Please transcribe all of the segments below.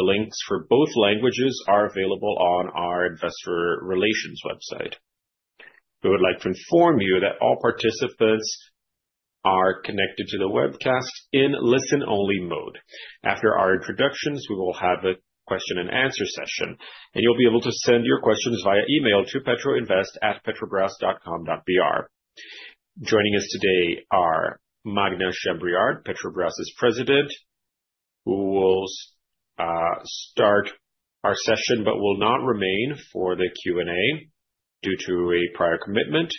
The links for both languages are available on our investor relations website. We would like to inform you that all participants are connected to the webcast in listen-only mode. After our introductions, we will have a question-and-answer session, and you'll be able to send your questions via email to petroinvest@petrobras.com.br. Joining us today are Magda Chambriard, Petrobras' President, who will start our session but will not remain for the Q&A due to a prior commitment: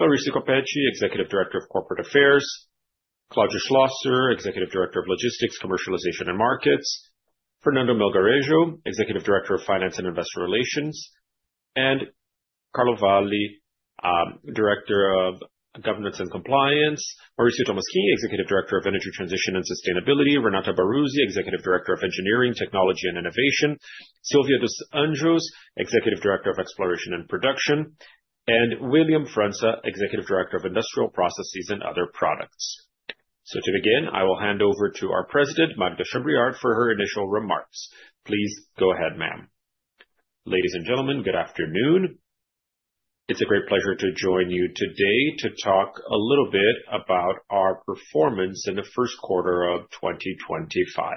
Mauricio Copetti, Executive Director of Corporate Affairs; Claudio Schlosser, Executive Director of Logistics, Commercialization, and Markets; Fernando Melgarejo, Executive Director of Finance and Investor Relations; and Carlos Valli, Director of Governance and Compliance; Mauricio Tolmasquim, Executive Director of Energy Transition and Sustainability; Renata Baruzzi, Executive Director of Engineering, Technology, and Innovation; Sylvia dos Anjos, Executive Director of Exploration and Production; and William França, Executive Director of Industrial Processes and Other Products. To begin, I will hand over to our President, Magda Chambriard, for her initial remarks. Please go ahead, ma'am. Ladies and gentlemen, good afternoon. It's a great pleasure to join you today to talk a little bit about our performance in the first quarter of 2025.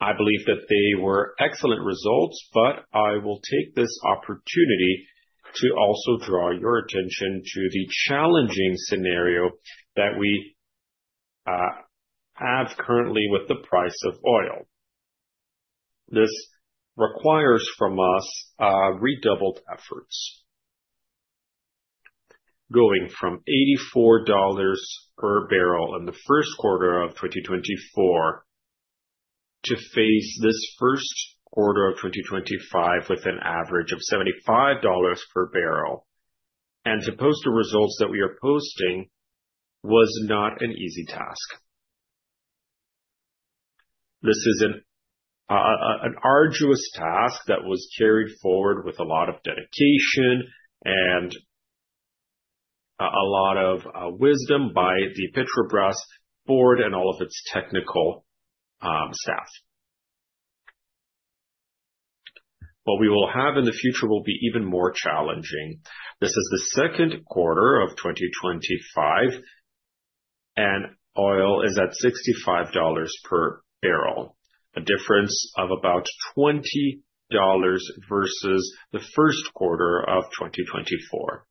I believe that they were excellent results, but I will take this opportunity to also draw your attention to the challenging scenario that we have currently with the price of oil. This requires from us redoubled efforts, going from $84 per barrel in the first quarter of 2024 to face this first quarter of 2025 with an average of $75 per bbl. To post the results that we are posting was not an easy task. This is an arduous task that was carried forward with a lot of dedication and a lot of wisdom by the Petrobras board and all of its technical staff. What we will have in the future will be even more challenging. This is the second quarter of 2025, and oil is at $65 per bbl, a difference of about $20 versus the first quarter of 2024.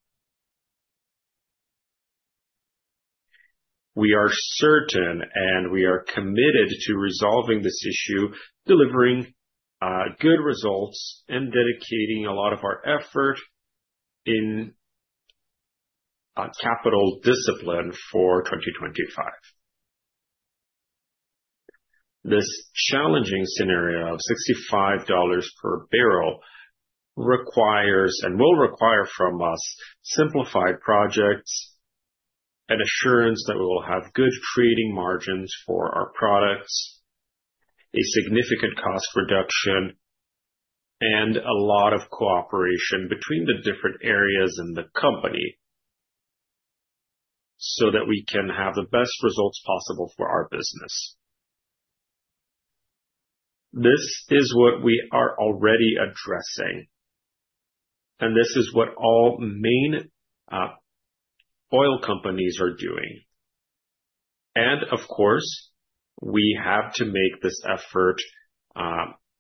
We are certain and we are committed to resolving this issue, delivering good results, and dedicating a lot of our effort in capital discipline for 2025. This challenging scenario of $65 per bbl requires and will require from us simplified projects and assurance that we will have good trading margins for our products, a significant cost reduction, and a lot of cooperation between the different areas in the company so that we can have the best results possible for our business. This is what we are already addressing, and this is what all main oil companies are doing. Of course, we have to make this effort to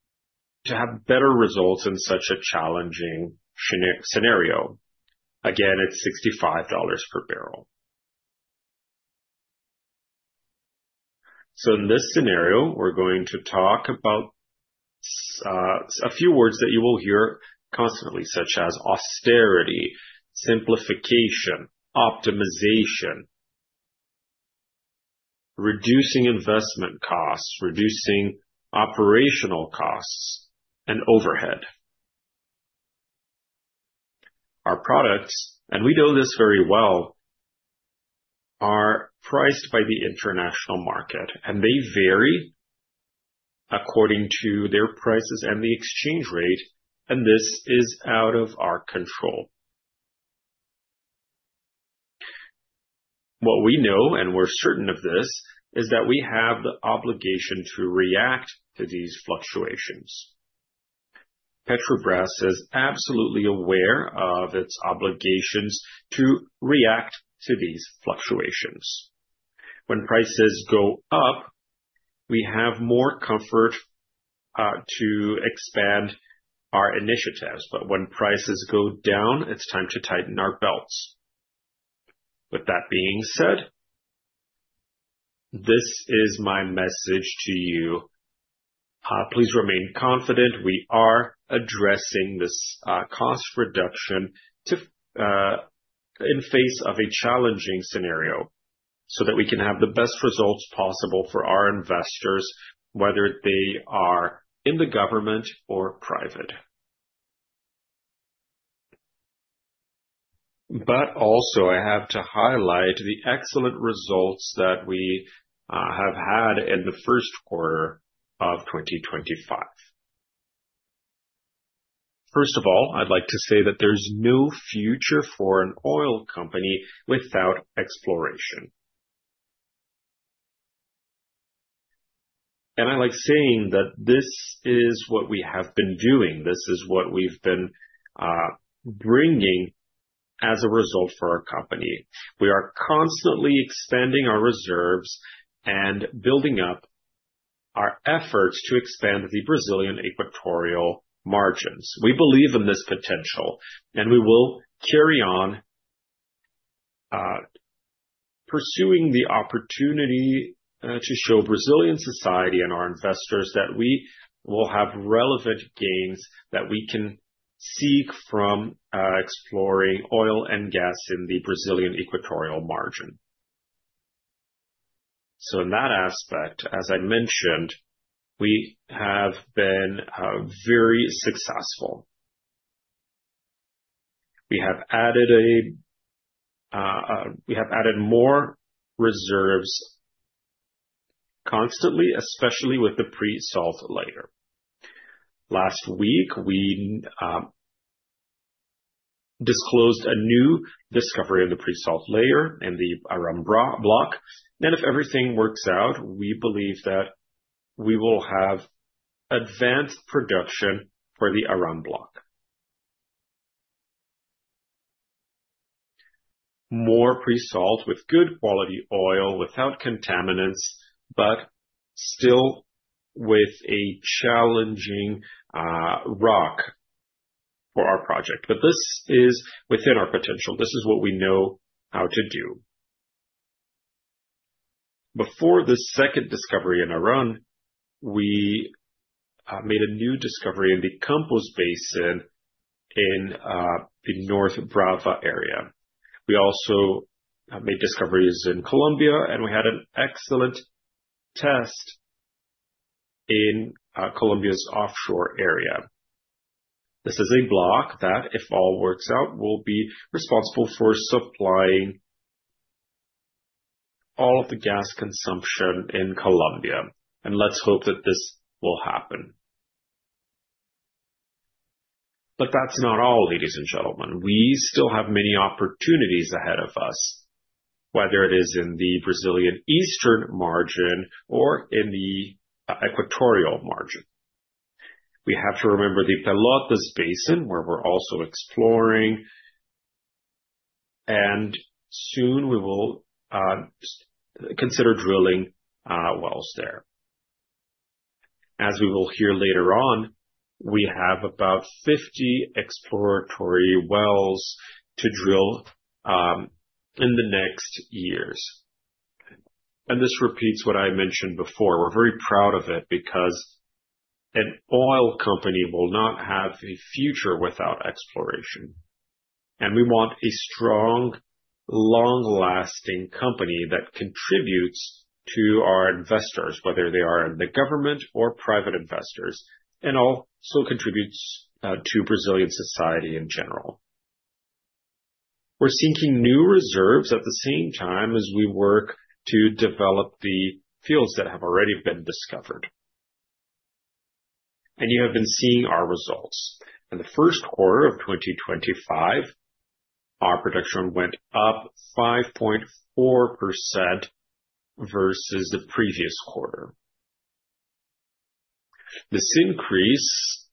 have better results in such a challenging scenario. Again, it's $65 per bbl. In this scenario, we're going to talk about a few words that you will hear constantly, such as austerity, simplification, optimization, reducing investment costs, reducing operational costs, and overhead. Our products, and we know this very well, are priced by the international market, and they vary according to their prices and the exchange rate, and this is out of our control. What we know, and we're certain of this, is that we have the obligation to react to these fluctuations. Petrobras is absolutely aware of its obligations to react to these fluctuations. When prices go up, we have more comfort to expand our initiatives, but when prices go down, it's time to tighten our belts. With that being said, this is my message to you. Please remain confident. We are addressing this cost reduction in the face of a challenging scenario so that we can have the best results possible for our investors, whether they are in the government or private. I have to highlight the excellent results that we have had in the first quarter of 2025. First of all, I'd like to say that there's no future for an oil company without exploration. I like saying that this is what we have been doing. This is what we've been bringing as a result for our company. We are constantly expanding our reserves and building up our efforts to expand the Brazilian equatorial margins. We believe in this potential, and we will carry on pursuing the opportunity to show Brazilian society and our investors that we will have relevant gains that we can seek from exploring oil and gas in the Brazilian equatorial margin. In that aspect, as I mentioned, we have been very successful. We have added more reserves constantly, especially with the pre-salt layer. Last week, we disclosed a new discovery of the pre-salt layer in the Aram Block. If everything works out, we believe that we will have advanced production for the Aram Block. More pre-salt with good quality oil without contaminants, still with a challenging rock for our project. This is within our potential. This is what we know how to do. Before the second discovery in Aram, we made a new discovery in the Campos Basin in the North Brava area. We also made discoveries in Colombia, and we had an excellent test in Colombia's offshore area. This is a block that, if all works out, will be responsible for supplying all of the gas consumption in Colombia. Let's hope that this will happen. That's not all, ladies and gentlemen. We still have many opportunities ahead of us, whether it is in the Brazilian eastern margin or in the equatorial margin. We have to remember the Pelotas Basin, where we're also exploring, and soon we will consider drilling wells there. As we will hear later on, we have about 50 exploratory wells to drill in the next years. This repeats what I mentioned before. We're very proud of it because an oil company will not have a future without exploration. We want a strong, long-lasting company that contributes to our investors, whether they are in the government or private investors, and also contributes to Brazilian society in general. We are seeking new reserves at the same time as we work to develop the fields that have already been discovered. You have been seeing our results. In the first quarter of 2025, our production went up 5.4% versus the previous quarter. This increase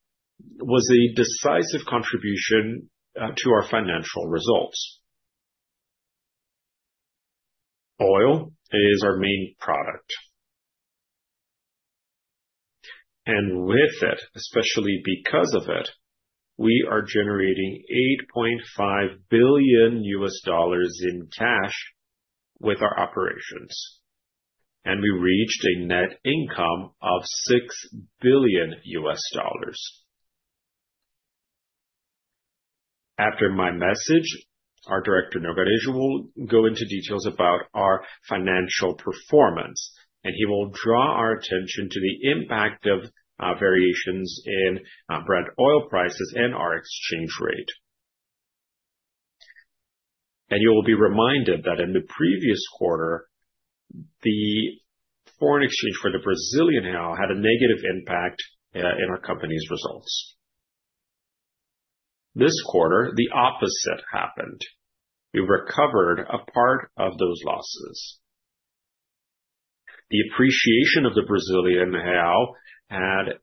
was a decisive contribution to our financial results. Oil is our main product. With it, especially because of it, we are generating $8.5 billion in cash with our operations. We reached a net income of $6 billion. After my message, our Director, Melgarejo, will go into details about our financial performance, and he will draw our attention to the impact of variations in Brent oil prices and our exchange rate. You will be reminded that in the previous quarter, the foreign exchange for the Brazilian real had a negative impact in our company's results. This quarter, the opposite happened. We recovered a part of those losses. The appreciation of the Brazilian real had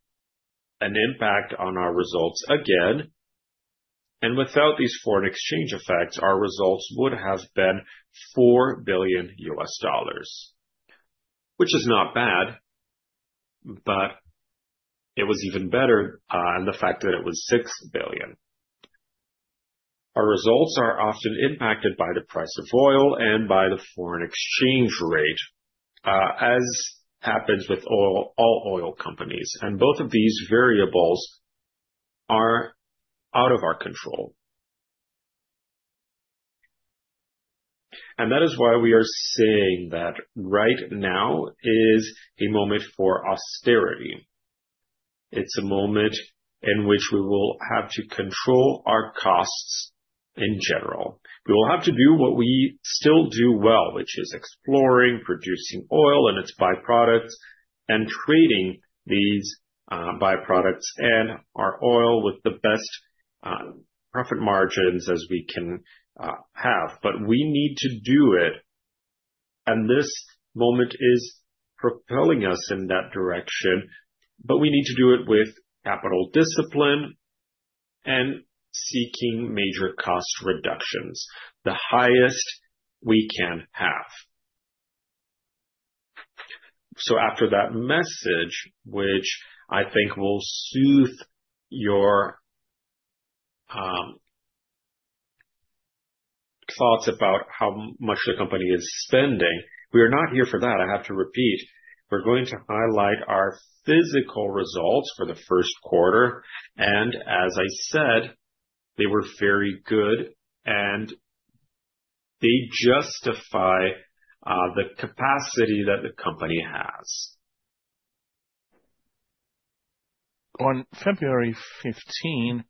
an impact on our results again. Without these foreign exchange effects, our results would have been $4 billion, which is not bad, but it was even better in the fact that it was $6 billion. Our results are often impacted by the price of oil and by the foreign exchange rate, as happens with all oil companies. Both of these variables are out of our control. That is why we are saying that right now is a moment for austerity. It's a moment in which we will have to control our costs in general. We will have to do what we still do well, which is exploring, producing oil and its byproducts, and trading these byproducts and our oil with the best profit margins as we can have. We need to do it. This moment is propelling us in that direction, but we need to do it with capital discipline and seeking major cost reductions, the highest we can have. After that message, which I think will soothe your thoughts about how much the company is spending, we are not here for that. I have to repeat. We're going to highlight our physical results for the first quarter. As I said, they were very good, and they justify the capacity that the company has. On February 15,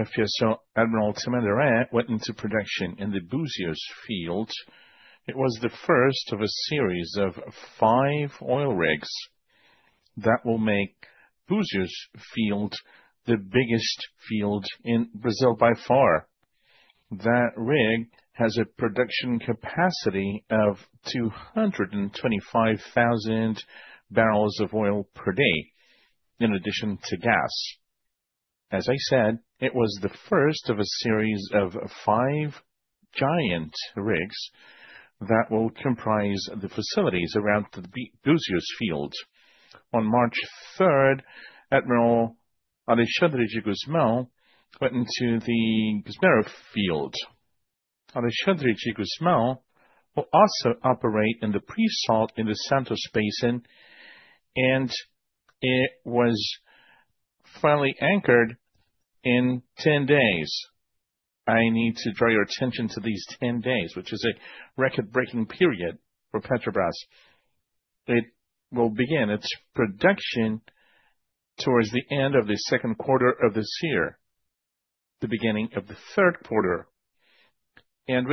FPSO Admiral Temandaré went into production in the Búzios field. It was the first of a series of five oil rigs that will make Búzios field the biggest field in Brazil by far. That rig has a production capacity of 225,000 bbls of oil per day, in addition to gas. As I said, it was the first of a series of five giant rigs that will comprise the facilities around the Búzios field. On March 3rd, Admiral Alexandre de Gusmão went into the Gusmão field. Alexandre de Gusmão will also operate in the pre-salt in the Santos Basin, and it was finally anchored in 10 days. I need to draw your attention to these 10 days, which is a record-breaking period for Petrobras. It will begin its production towards the end of the second quarter of this year, the beginning of the third quarter. It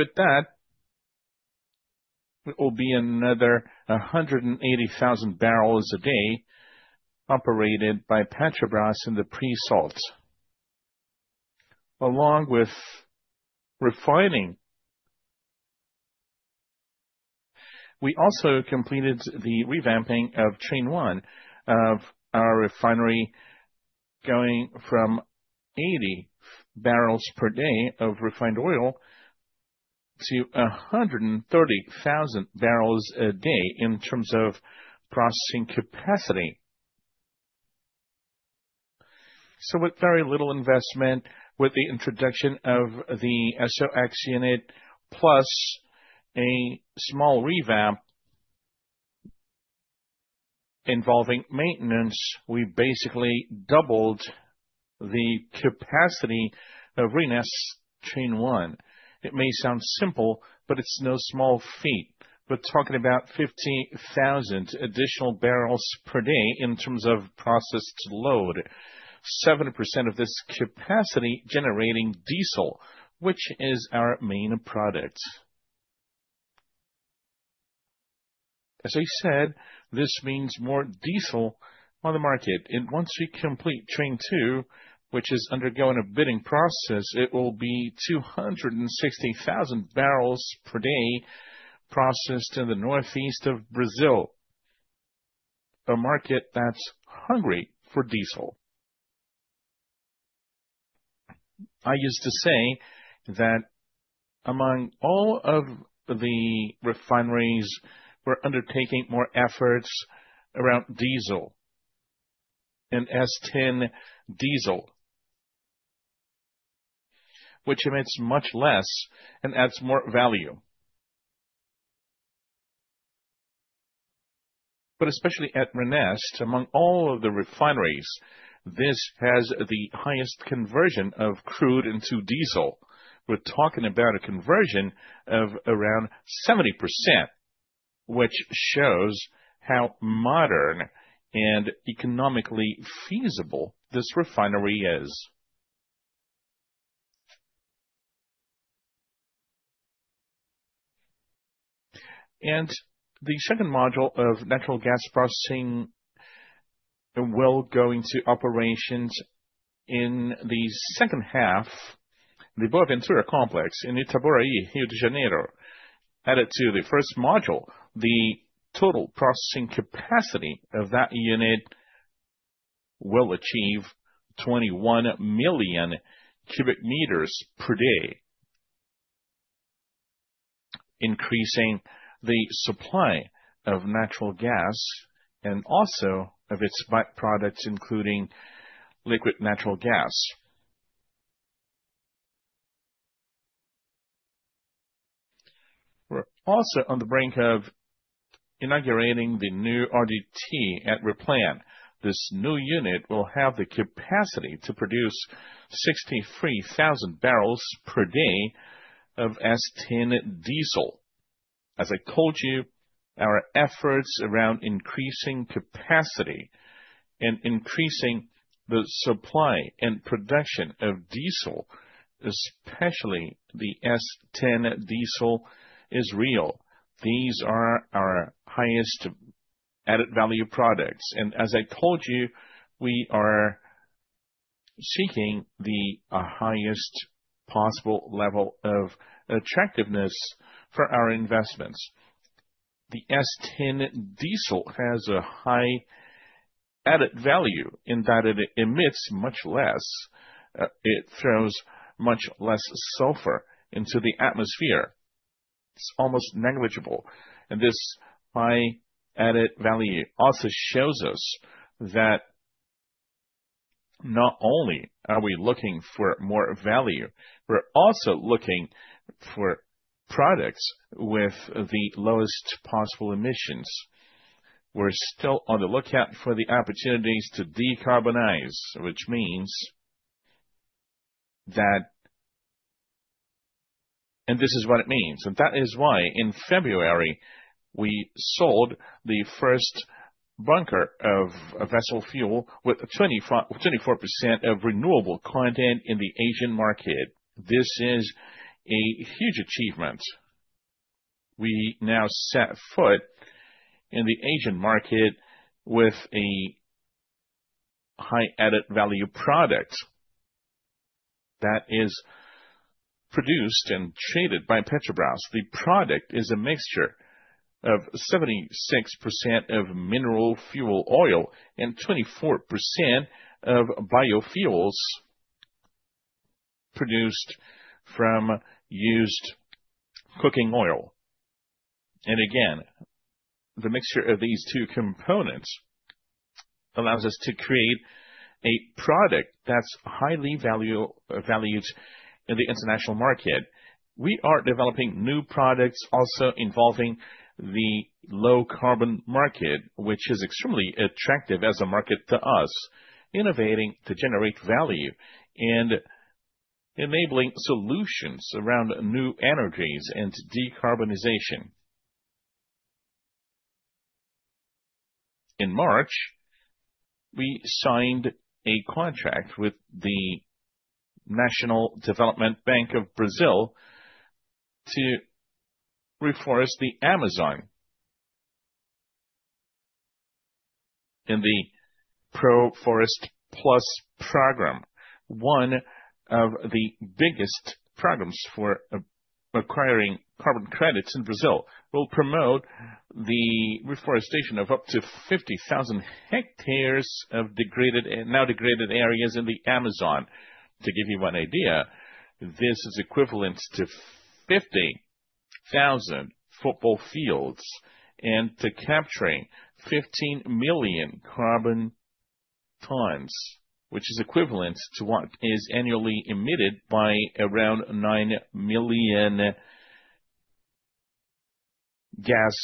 will be another 180,000 bbl a day operated by Petrobras in the pre-salt, along with refining. We also completed the revamping of Train One of our refinery, going from 80,000 bbl per day of refined oil to 130,000 bbl a day in terms of processing capacity. With very little investment, with the introduction of the SOX unit plus a small revamp involving maintenance, we basically doubled the capacity of Refinery Train One. It may sound simple, but it's no small feat. We're talking about 50,000 additional bbl per day in terms of processed load, 7% of this capacity generating diesel, which is our main product. As I said, this means more diesel on the market. Once we complete Train Two, which is undergoing a bidding process, it will be 260,000 bbl per day processed in the northeast of Brazil, a market that's hungry for diesel. I used to say that among all of the refineries, we're undertaking more efforts around diesel, an S10 diesel, which emits much less and adds more value. Especially at Reynes, among all of the refineries, this has the highest conversion of crude into diesel. We're talking about a conversion of around 70%, which shows how modern and economically feasible this refinery is. The second module of natural gas processing will go into operations in the second half, the Boaventura Complex in Itaboraí, Rio de Janeiro. Added to the first module, the total processing capacity of that unit will achieve 21 million cubic meters per day, increasing the supply of natural gas and also of its byproducts, including liquefied natural gas. We are also on the brink of inaugurating the new RDT at REPLAN. This new unit will have the capacity to produce 63,000 bbl per day of S10 diesel. As I told you, our efforts around increasing capacity and increasing the supply and production of diesel, especially the S10 diesel, is real. These are our highest added value products. As I told you, we are seeking the highest possible level of attractiveness for our investments. The S10 diesel has a high added value in that it emits much less. It throws much less sulfur into the atmosphere. It is almost negligible. This high added value also shows us that not only are we looking for more value, we're also looking for products with the lowest possible emissions. We're still on the lookout for the opportunities to decarbonize, which means that, and this is what it means. That is why in February, we sold the first bunker of vessel fuel with 24% of renewable content in the Asian market. This is a huge achievement. We now set foot in the Asian market with a high added value product that is produced and traded by Petrobras. The product is a mixture of 76% of mineral fuel oil and 24% of biofuels produced from used cooking oil. Again, the mixture of these two components allows us to create a product that's highly valued in the international market. We are developing new products also involving the low carbon market, which is extremely attractive as a market to us, innovating to generate value and enabling solutions around new energies and decarbonization. In March, we signed a contract with the National Development Bank of Brazil to reforest the Amazon in the ProFloresta+ program, one of the biggest programs for acquiring carbon credits in Brazil. We'll promote the reforestation of up to 50,000 hectares of now degraded areas in the Amazon. To give you one idea, this is equivalent to 50,000 football fields and to capturing 15 million carbon tons, which is equivalent to what is annually emitted by around 9 million gas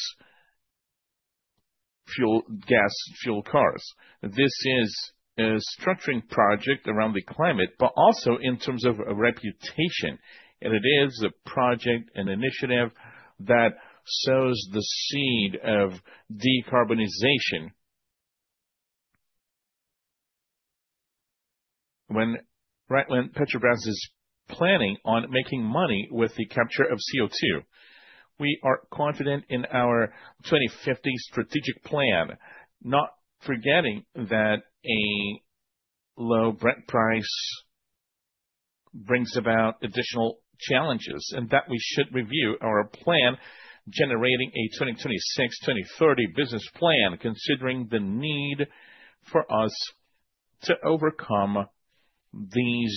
fuel cars. This is a structuring project around the climate, but also in terms of reputation. It is a project, an initiative that sows the seed of decarbonization. When Petrobras is planning on making money with the capture of CO2, we are confident in our 2050 strategic plan, not forgetting that a low Brent price brings about additional challenges and that we should review our plan generating a 2026-2030 business plan, considering the need for us to overcome these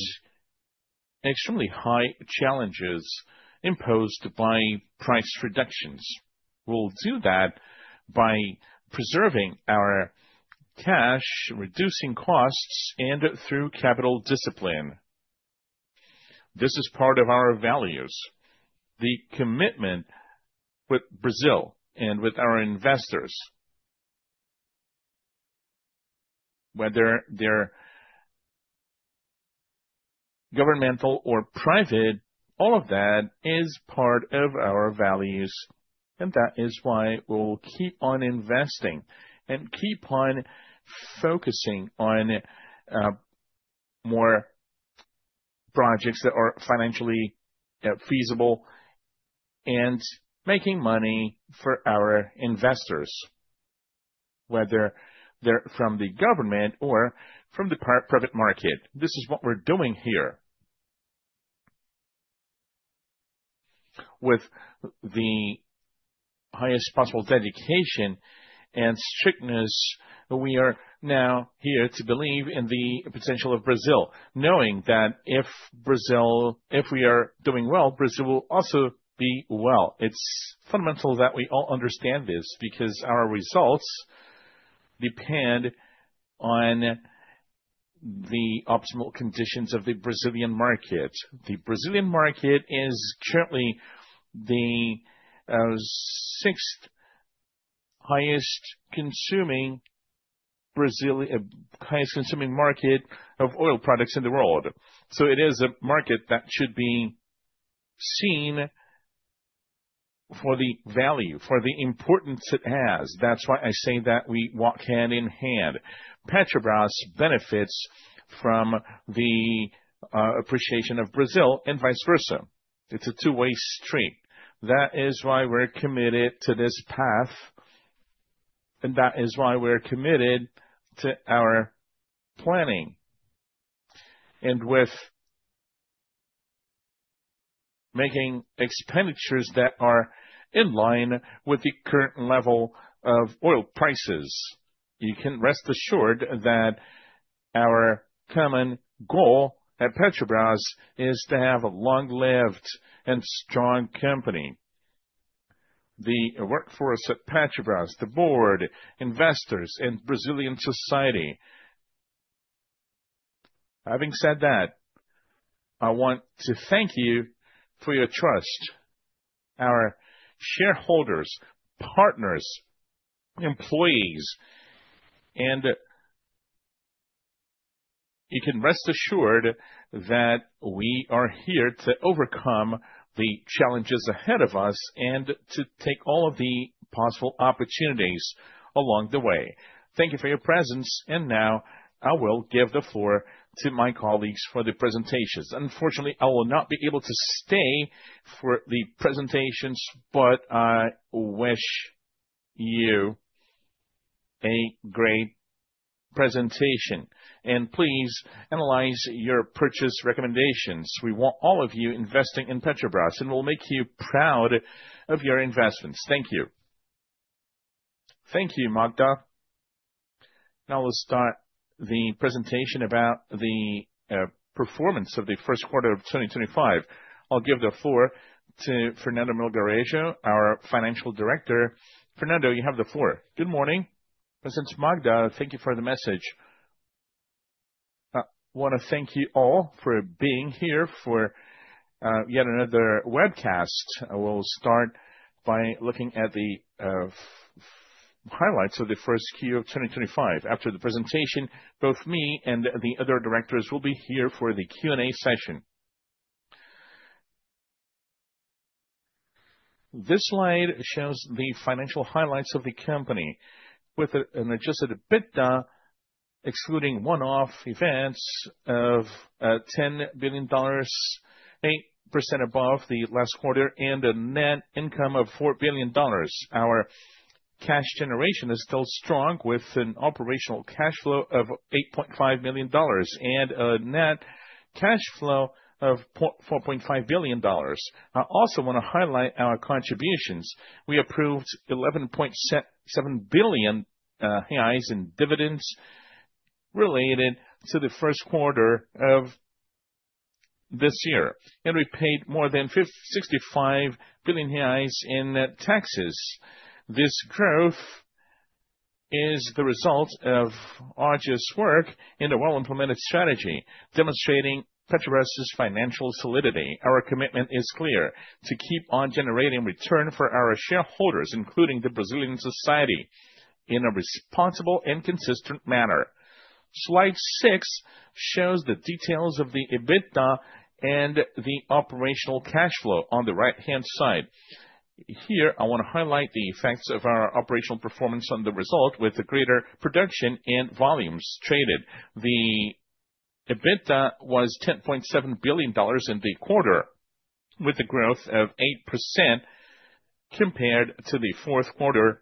extremely high challenges imposed by price reductions. We will do that by preserving our cash, reducing costs, and through capital discipline. This is part of our values, the commitment with Brazil and with our investors. Whether they are governmental or private, all of that is part of our values. That is why we will keep on investing and keep on focusing on more projects that are financially feasible and making money for our investors, whether they are from the government or from the private market. This is what we are doing here. With the highest possible dedication and strictness, we are now here to believe in the potential of Brazil, knowing that if we are doing well, Brazil will also be well. It is fundamental that we all understand this because our results depend on the optimal conditions of the Brazilian market. The Brazilian market is currently the sixth highest consuming market of oil products in the world. It is a market that should be seen for the value, for the importance it has. That is why I say that we walk hand in hand. Petrobras benefits from the appreciation of Brazil and vice versa. It is a two-way street. That is why we are committed to this path, and that is why we are committed to our planning. With making expenditures that are in line with the current level of oil prices, you can rest assured that our common goal at Petrobras is to have a long-lived and strong company. The workforce at Petrobras, the board, investors, and Brazilian society. Having said that, I want to thank you for your trust, our shareholders, partners, employees, and you can rest assured that we are here to overcome the challenges ahead of us and to take all of the possible opportunities along the way. Thank you for your presence, and now I will give the floor to my colleagues for the presentations. Unfortunately, I will not be able to stay for the presentations, but I wish you a great presentation. Please analyze your purchase recommendations. We want all of you investing in Petrobras, and we'll make you proud of your investments. Thank you. Thank you, Magda. Now we'll start the presentation about the performance of the first quarter of 2025. I'll give the floor to Fernando Melgarejo, our Financial Director. Fernando, you have the floor. Good morning. President Magda, thank you for the message. I want to thank you all for being here for yet another webcast. I will start by looking at the highlights of the first Q of 2025. After the presentation, both me and the other directors will be here for the Q&A session. This slide shows the financial highlights of the company with an adjusted EBITDA, excluding one-off events, of $10 billion, 8% above the last quarter, and a net income of $4 billion. Our cash generation is still strong with an operational cash flow of $8.5 billion and a net cash flow of $4.5 billion. I also want to highlight our contributions. We approved 11.7 billion reais in dividends related to the first quarter of this year, and we paid more than 65 billion reais in taxes. This growth is the result of our just work and a well-implemented strategy, demonstrating Petrobras's financial solidity. Our commitment is clear to keep on generating return for our shareholders, including the Brazilian society, in a responsible and consistent manner. Slide 6 shows the details of the EBITDA and the operational cash flow on the right-hand side. Here, I want to highlight the effects of our operational performance on the result with the greater production and volumes traded. The EBITDA was $10.7 billion in the quarter, with a growth of 8% compared to the fourth quarter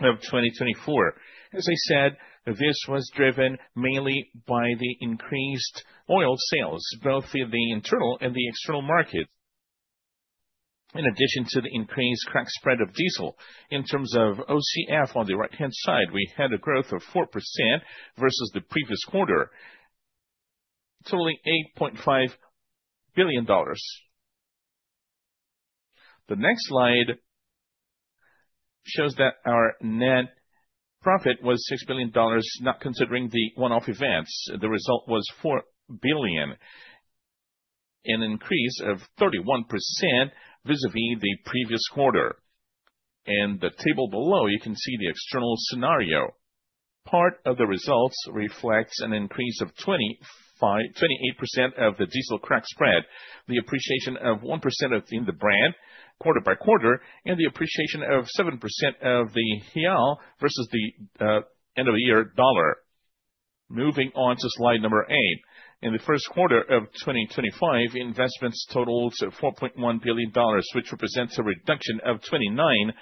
of 2024. As I said, this was driven mainly by the increased oil sales, both in the internal and the external markets, in addition to the increased crack spread of diesel. In terms of OCF on the right-hand side, we had a growth of 4% versus the previous quarter, totaling $8.5 billion. The next slide shows that our net profit was $6 billion, not considering the one-off events. The result was $4 billion, an increase of 31% vis-à-vis the previous quarter. In the table below, you can see the external scenario. Part of the results reflects an increase of 28% of the diesel crack spread, the appreciation of 1% in the Brent quarter by quarter, and the appreciation of 7% of the real versus the end-of-year dollar. Moving on to slide number 8. In the first quarter of 2025, investments totaled $4.1 billion, which represents a reduction of 29%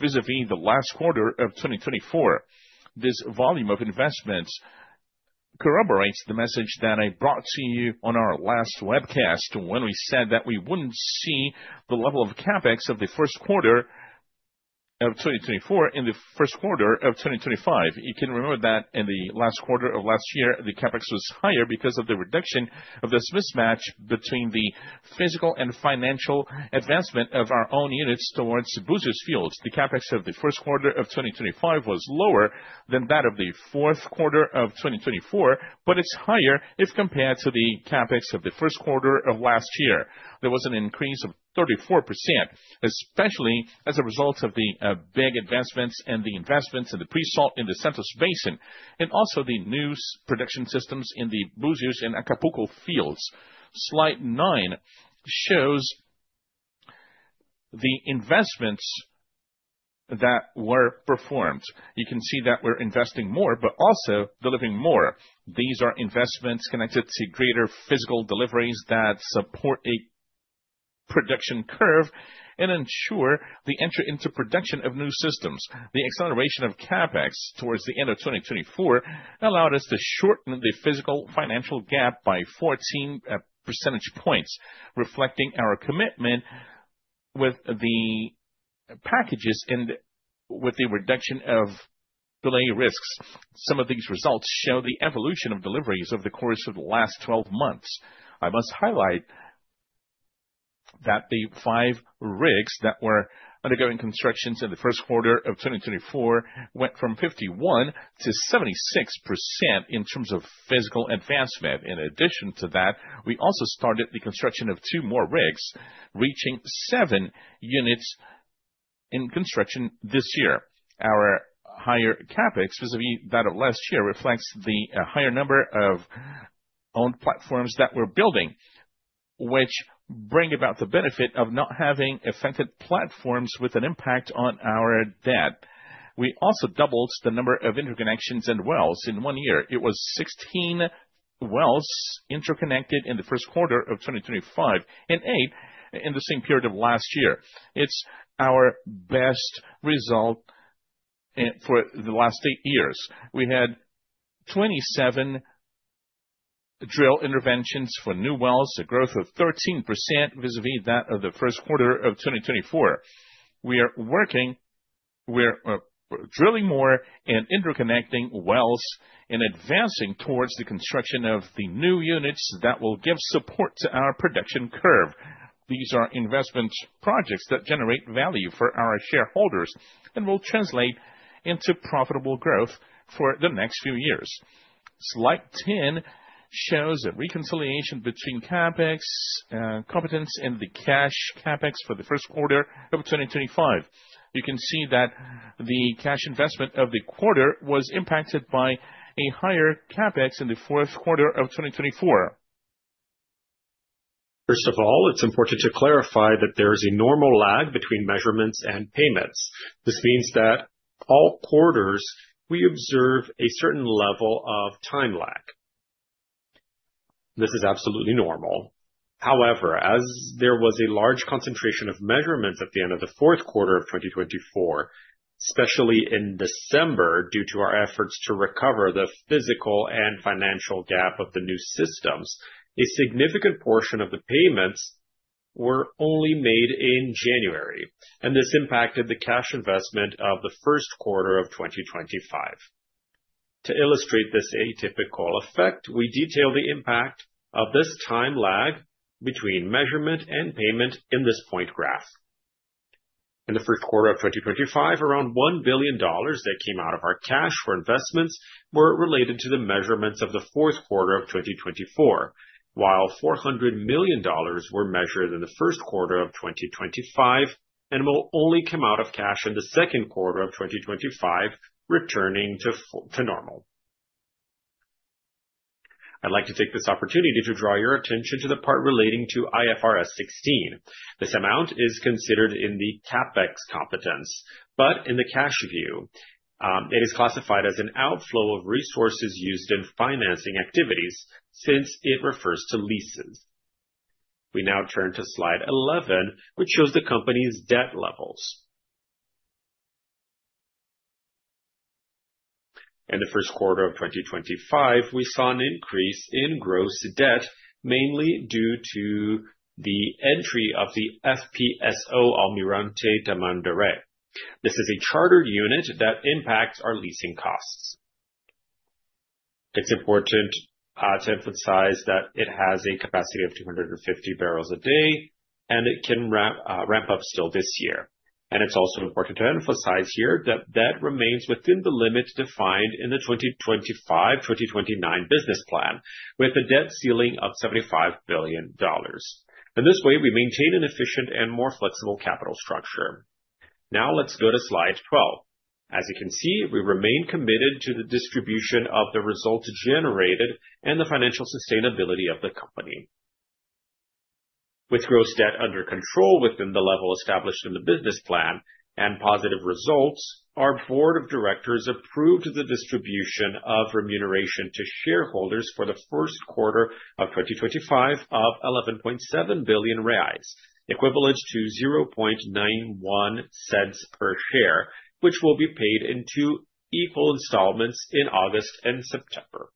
vis-à-vis the last quarter of 2024. This volume of investments corroborates the message that I brought to you on our last webcast when we said that we would not see the level of CapEx of the first quarter of 2024 in the first quarter of 2025. You can remember that in the last quarter of last year, the CapEx was higher because of the reduction of this mismatch between the physical and financial advancement of our own units towards Búzios Field. The CapEx of the first quarter of 2025 was lower than that of the fourth quarter of 2024, but it is higher if compared to the CapEx of the first quarter of last year. There was an increase of 34%, especially as a result of the big advancements in the investments in the pre-salt in the Santos Basin and also the new production systems in the Búzios and Albacora fields. Slide 9 shows the investments that were performed. You can see that we're investing more, but also delivering more. These are investments connected to greater physical deliveries that support a production curve and ensure the entry into production of new systems. The acceleration of CapEx towards the end of 2024 allowed us to shorten the physical-financial gap by 14 percentage points, reflecting our commitment with the packages and with the reduction of delay risks. Some of these results show the evolution of deliveries over the course of the last 12 months. I must highlight that the five rigs that were undergoing constructions in the first quarter of 2024 went from 51%-76% in terms of physical advancement. In addition to that, we also started the construction of two more rigs, reaching seven units in construction this year. Our higher CapEx, vis-à-vis that of last year, reflects the higher number of owned platforms that we're building, which brings about the benefit of not having affected platforms with an impact on our debt. We also doubled the number of interconnections and wells in one year. It was 16 wells interconnected in the first quarter of 2025 and 8 in the same period of last year. It's our best result for the last eight years. We had 27 drill interventions for new wells, a growth of 13% vis-à-vis that of the first quarter of 2024. We are working, we're drilling more and interconnecting wells and advancing towards the construction of the new units that will give support to our production curve. These are investment projects that generate value for our shareholders and will translate into profitable growth for the next few years. Slide 10 shows a reconciliation between CapEx, competence, and the cash CapEx for the first quarter of 2025. You can see that the cash investment of the quarter was impacted by a higher CapEx in the fourth quarter of 2024. First of all, it's important to clarify that there is a normal lag between measurements and payments. This means that all quarters, we observe a certain level of time lag. This is absolutely normal. However, as there was a large concentration of measurements at the end of the fourth quarter of 2024, especially in December due to our efforts to recover the physical and financial gap of the new systems, a significant portion of the payments were only made in January, and this impacted the cash investment of the first quarter of 2025. To illustrate this atypical effect, we detail the impact of this time lag between measurement and payment in this point graph. In the first quarter of 2025, around $1 billion that came out of our cash for investments were related to the measurements of the fourth quarter of 2024, while $400 million were measured in the first quarter of 2025 and will only come out of cash in the second quarter of 2025, returning to normal. I'd like to take this opportunity to draw your attention to the part relating to IFRS 16. This amount is considered in the CapEx competence, but in the cash view. It is classified as an outflow of resources used in financing activities since it refers to leases. We now turn to slide 11, which shows the company's debt levels. In the first quarter of 2025, we saw an increase in gross debt, mainly due to the entry of the FPSO Almirante de Mandaré. This is a chartered unit that impacts our leasing costs. It is important to emphasize that it has a capacity of 250,000 bbl a day, and it can ramp up still this year. It is also important to emphasize here that debt remains within the limits defined in the 2025-2029 business plan, with a debt ceiling of $75 billion. In this way, we maintain an efficient and more flexible capital structure. Now let's go to slide 12. As you can see, we remain committed to the distribution of the result generated and the financial sustainability of the company. With gross debt under control within the level established in the business plan and positive results, our board of directors approved the distribution of remuneration to shareholders for the first quarter of 2025 of 11.7 billion reais, equivalent to 0.91 per share, which will be paid in two equal installments in August and September.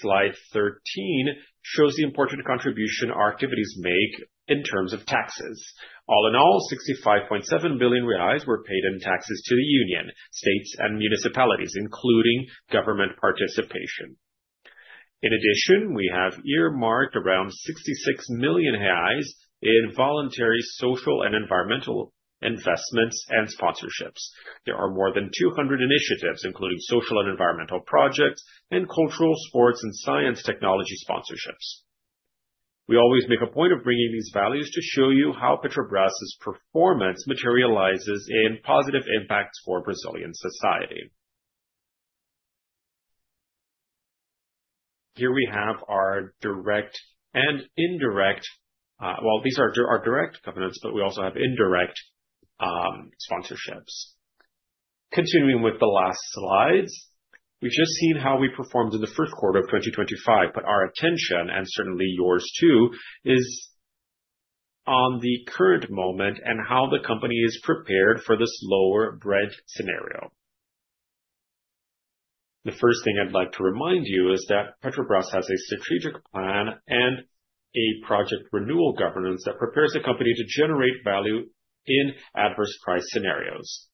Slide 13 shows the important contribution our activities make in terms of taxes. All in all, 65.7 billion reais were paid in taxes to the union, states, and municipalities, including government participation. In addition, we have earmarked around 66 million reais in voluntary social and environmental investments and sponsorships. There are more than 200 initiatives, including social and environmental projects and cultural, sports, and science technology sponsorships. We always make a point of bringing these values to show you how Petrobras's performance materializes in positive impacts for Brazilian society. Here we have our direct and indirect, well, these are our direct covenants, but we also have indirect sponsorships. Continuing with the last slides, we've just seen how we performed in the first quarter of 2025, but our attention, and certainly yours too, is on the current moment and how the company is prepared for this lower Brent scenario. The first thing I'd like to remind you is that Petrobras has a strategic plan and a project renewal governance that prepares a company to generate value in adverse price scenarios.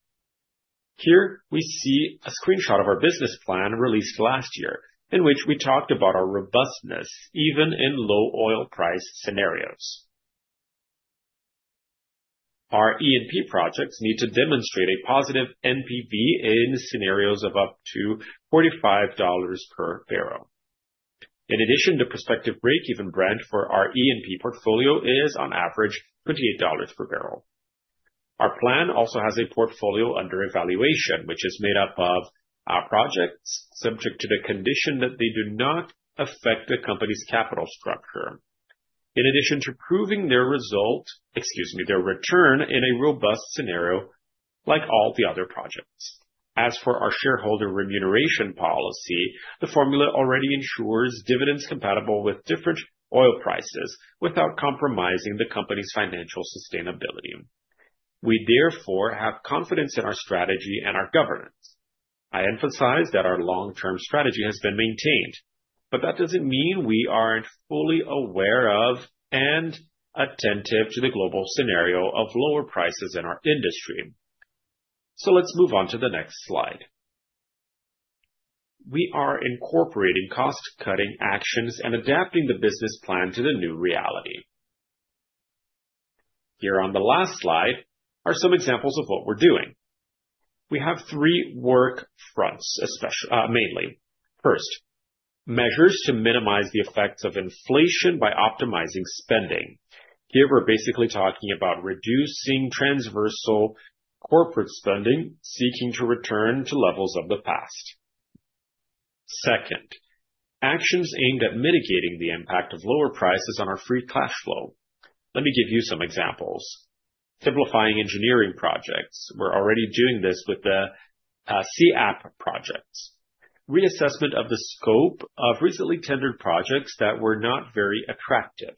Here we see a screenshot of our business plan released last year, in which we talked about our robustness even in low oil price scenarios. Our E&P projects need to demonstrate a positive NPV in scenarios of up to $45 per bbl. In addition, the prospective break-even Brent for our E&P portfolio is, on average, $28 per bbl. Our plan also has a portfolio under evaluation, which is made up of projects subject to the condition that they do not affect the company's capital structure, in addition to proving their result, excuse me, their return in a robust scenario like all the other projects. As for our shareholder remuneration policy, the formula already ensures dividends compatible with different oil prices without compromising the company's financial sustainability. We therefore have confidence in our strategy and our governance. I emphasize that our long-term strategy has been maintained, but that does not mean we are not fully aware of and attentive to the global scenario of lower prices in our industry. Let's move on to the next slide. We are incorporating cost-cutting actions and adapting the business plan to the new reality. Here on the last slide are some examples of what we are doing. We have three work fronts, especially mainly. First, measures to minimize the effects of inflation by optimizing spending. Here we're basically talking about reducing transversal corporate spending seeking to return to levels of the past. Second, actions aimed at mitigating the impact of lower prices on our free cash flow. Let me give you some examples. Simplifying engineering projects. We're already doing this with the C-AP projects. Reassessment of the scope of recently tendered projects that were not very attractive.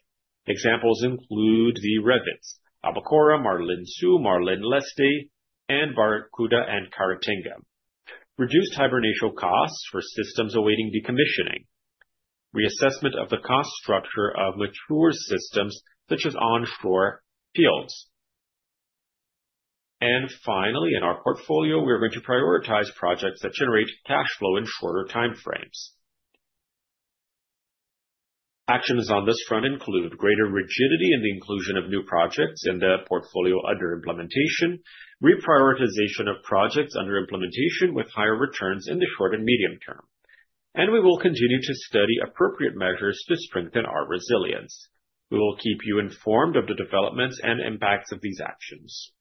Examples include the Revamp, Albacora, Marlim Sul, Marlim Leste, and Barracuda and Caratinga. Reduced hibernation costs for systems awaiting decommissioning. Reassessment of the cost structure of mature systems such as onshore fields. Finally, in our portfolio, we're going to prioritize projects that generate cash flow in shorter time frames. Actions on this front include greater rigidity in the inclusion of new projects in the portfolio under implementation, reprioritization of projects under implementation with higher returns in the short and medium term. We will continue to study appropriate measures to strengthen our resilience. We will keep you informed of the developments and impacts of these actions.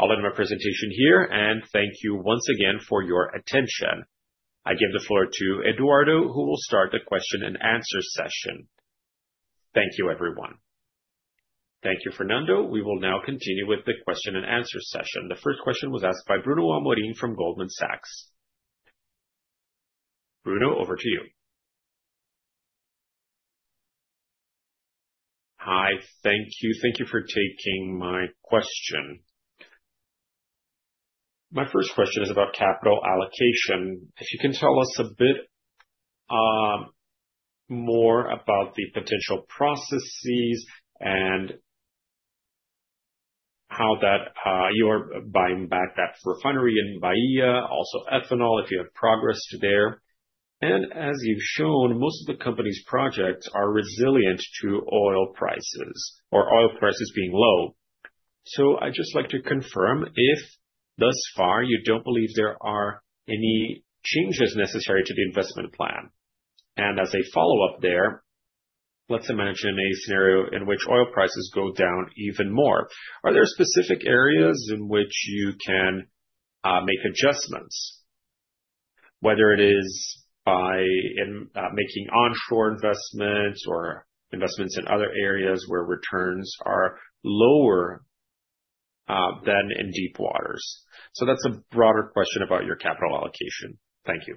I will end my presentation here and thank you once again for your attention. I give the floor to Eduardo, who will start the question and answer session. Thank you, everyone. Thank you, Fernando. We will now continue with the question and answer session. The first question was asked by Bruno Amorim from Goldman Sachs. Bruno, over to you. Hi, thank you. Thank you for taking my question. My first question is about capital allocation. If you can tell us a bit more about the potential processes and how that you're buying back that refinery in Bahia, also ethanol, if you have progress to there. As you've shown, most of the company's projects are resilient to oil prices or oil prices being low. I'd just like to confirm if thus far you don't believe there are any changes necessary to the investment plan. As a follow-up there, let's imagine a scenario in which oil prices go down even more. Are there specific areas in which you can make adjustments, whether it is by making onshore investments or investments in other areas where returns are lower than in deep waters? That's a broader question about your capital allocation. Thank you.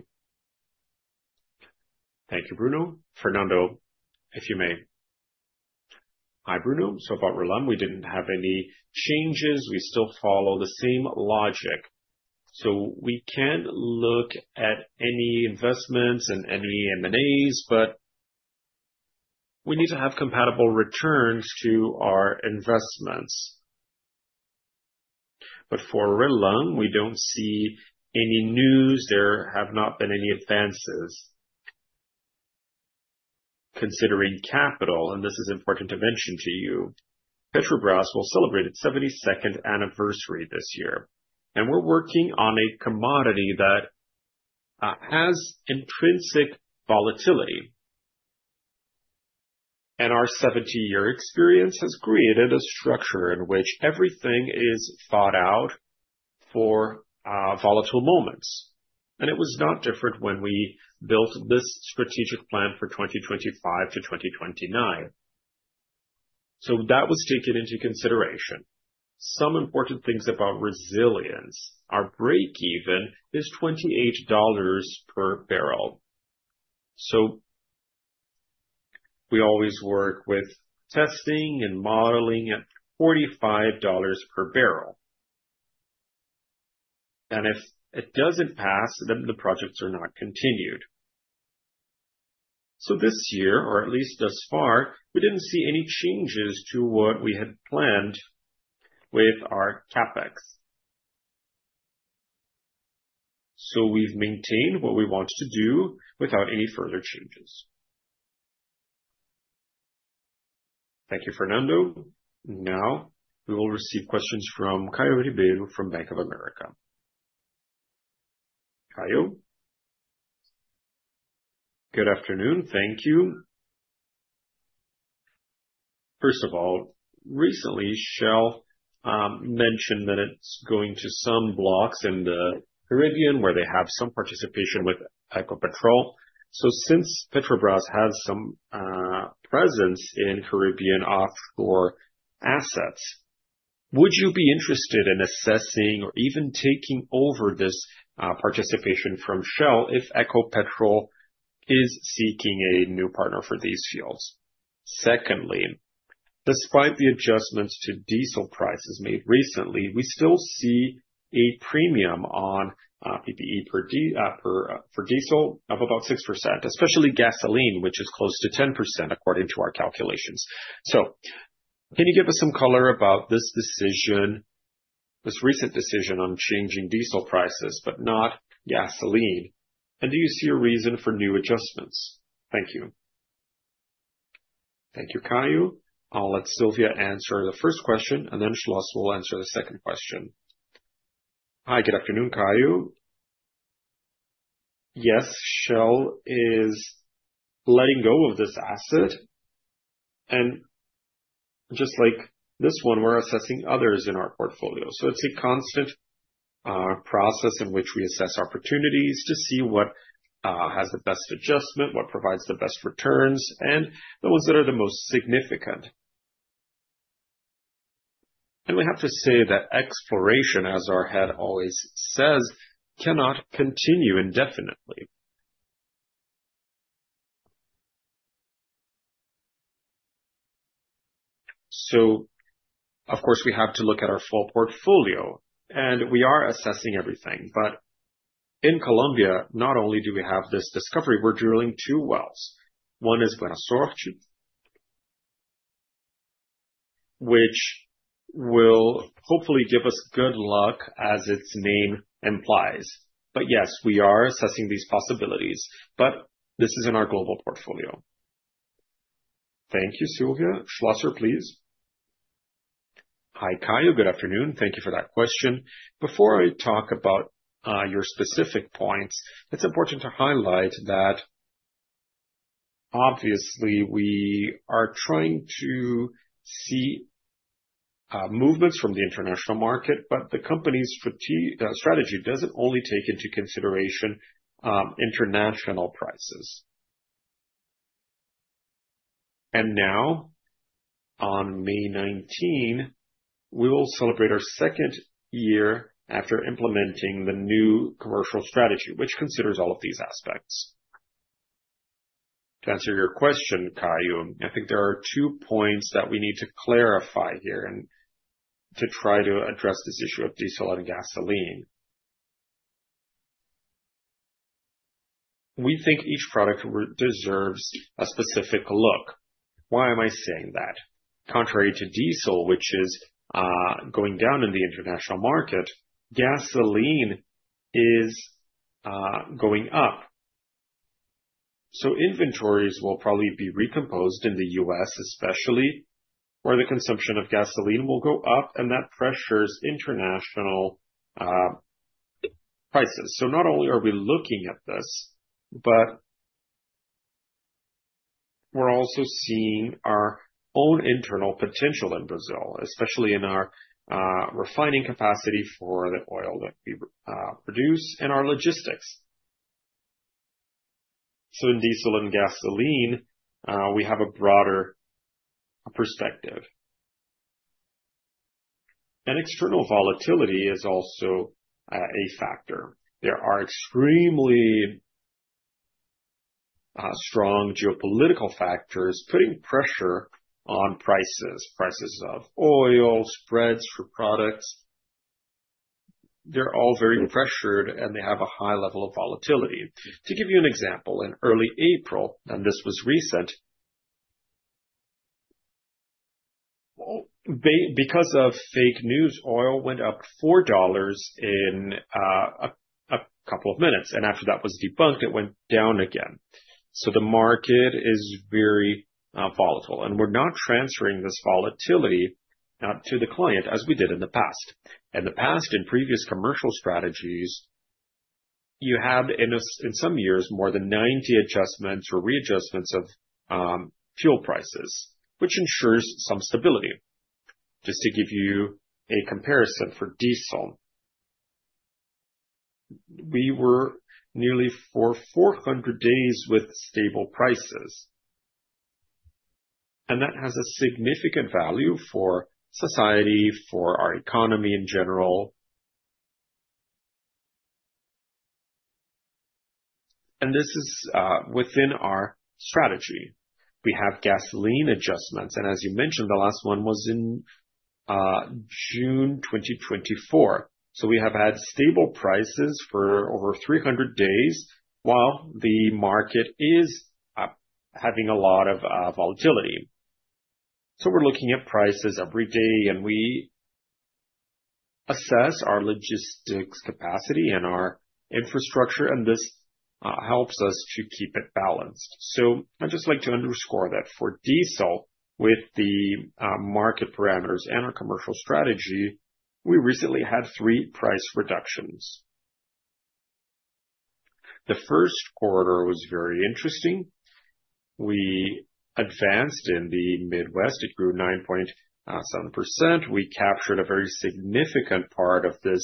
Thank you, Bruno. Fernando, if you may. Hi, Bruno. About RLAM, we didn't have any changes. We still follow the same logic. We can look at any investments and any M&As, but we need to have compatible returns to our investments. For RLAM, we do not see any news. There have not been any advances. Considering capital, and this is important to mention to you, Petrobras will celebrate its 72nd anniversary this year. We are working on a commodity that has intrinsic volatility. Our 70-year experience has created a structure in which everything is thought out for volatile moments. It was not different when we built this strategic plan for 2025-2029. That was taken into consideration. Some important things about resilience. Our break-even is $28 per bbl. We always work with testing and modeling at $45 per bbl. If it does not pass, then the projects are not continued. This year, or at least thus far, we did not see any changes to what we had planned with our CapEx. We have maintained what we want to do without any further changes. Thank you, Fernando. Now we will receive questions from Caio Ribeiro from Bank of America. Caio? Good afternoon. Thank you. First of all, recently, Shell mentioned that it is going to some blocks in the Caribbean where they have some participation with Ecopetrol. Since Petrobras has some presence in Caribbean offshore assets, would you be interested in assessing or even taking over this participation from Shell if Ecopetrol is seeking a new partner for these fields? Secondly, despite the adjustments to diesel prices made recently, we still see a premium on PPI for diesel of about 6%, especially gasoline, which is close to 10% according to our calculations. Can you give us some color about this decision, this recent decision on changing diesel prices, but not gasoline? Do you see a reason for new adjustments? Thank you. Thank you, Caio. I'll let Sylvia answer the first question, and then Schlosser will answer the second question. Hi, good afternoon, Caio. Yes, Shell is letting go of this asset. Just like this one, we're assessing others in our portfolio. It is a constant process in which we assess opportunities to see what has the best adjustment, what provides the best returns, and the ones that are the most significant. We have to say that exploration, as our head always says, cannot continue indefinitely. Of course, we have to look at our full portfolio, and we are assessing everything. In Colombia, not only do we have this discovery, we're drilling two wells. One is Buena Sorto, which will hopefully give us good luck, as its name implies. Yes, we are assessing these possibilities, but this is in our global portfolio. Thank you, Sylvia. Schlosser, please. Hi, Caio. Good afternoon. Thank you for that question. Before I talk about your specific points, it is important to highlight that, obviously, we are trying to see movements from the international market, but the company's strategy does not only take into consideration international prices. Now, on May 19, we will celebrate our second year after implementing the new commercial strategy, which considers all of these aspects. To answer your question, Caio, I think there are two points that we need to clarify here and to try to address this issue of diesel and gasoline. We think each product deserves a specific look. Why am I saying that? Contrary to diesel, which is going down in the international market, gasoline is going up. Inventories will probably be recomposed in the U.S., especially where the consumption of gasoline will go up, and that pressures international prices. Not only are we looking at this, but we're also seeing our own internal potential in Brazil, especially in our refining capacity for the oil that we produce and our logistics. In diesel and gasoline, we have a broader perspective. External volatility is also a factor. There are extremely strong geopolitical factors putting pressure on prices, prices of oil, spreads for products. They're all very pressured, and they have a high level of volatility. To give you an example, in early April, and this was recent, because of fake news, oil went up $4 in a couple of minutes. After that was debunked, it went down again. The market is very volatile. We are not transferring this volatility to the client as we did in the past. In the past, in previous commercial strategies, you had, in some years, more than 90 adjustments or readjustments of fuel prices, which ensures some stability. Just to give you a comparison for diesel, we were nearly 400 days with stable prices. That has a significant value for society, for our economy in general. This is within our strategy. We have gasoline adjustments. As you mentioned, the last one was in June 2024. We have had stable prices for over 300 days while the market is having a lot of volatility. We are looking at prices every day, and we assess our logistics capacity and our infrastructure, and this helps us to keep it balanced. I'd just like to underscore that for diesel, with the market parameters and our commercial strategy, we recently had three price reductions. The first quarter was very interesting. We advanced in the Midwest. It grew 9.7%. We captured a very significant part of this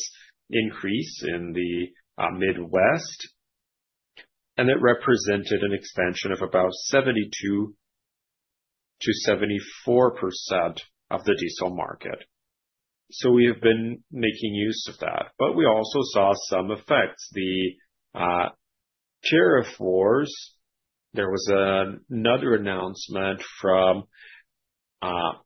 increase in the Midwest, and it represented an expansion of about 72%-74% of the diesel market. We have been making use of that. We also saw some effects. The tariff wars, there was another announcement from OpEx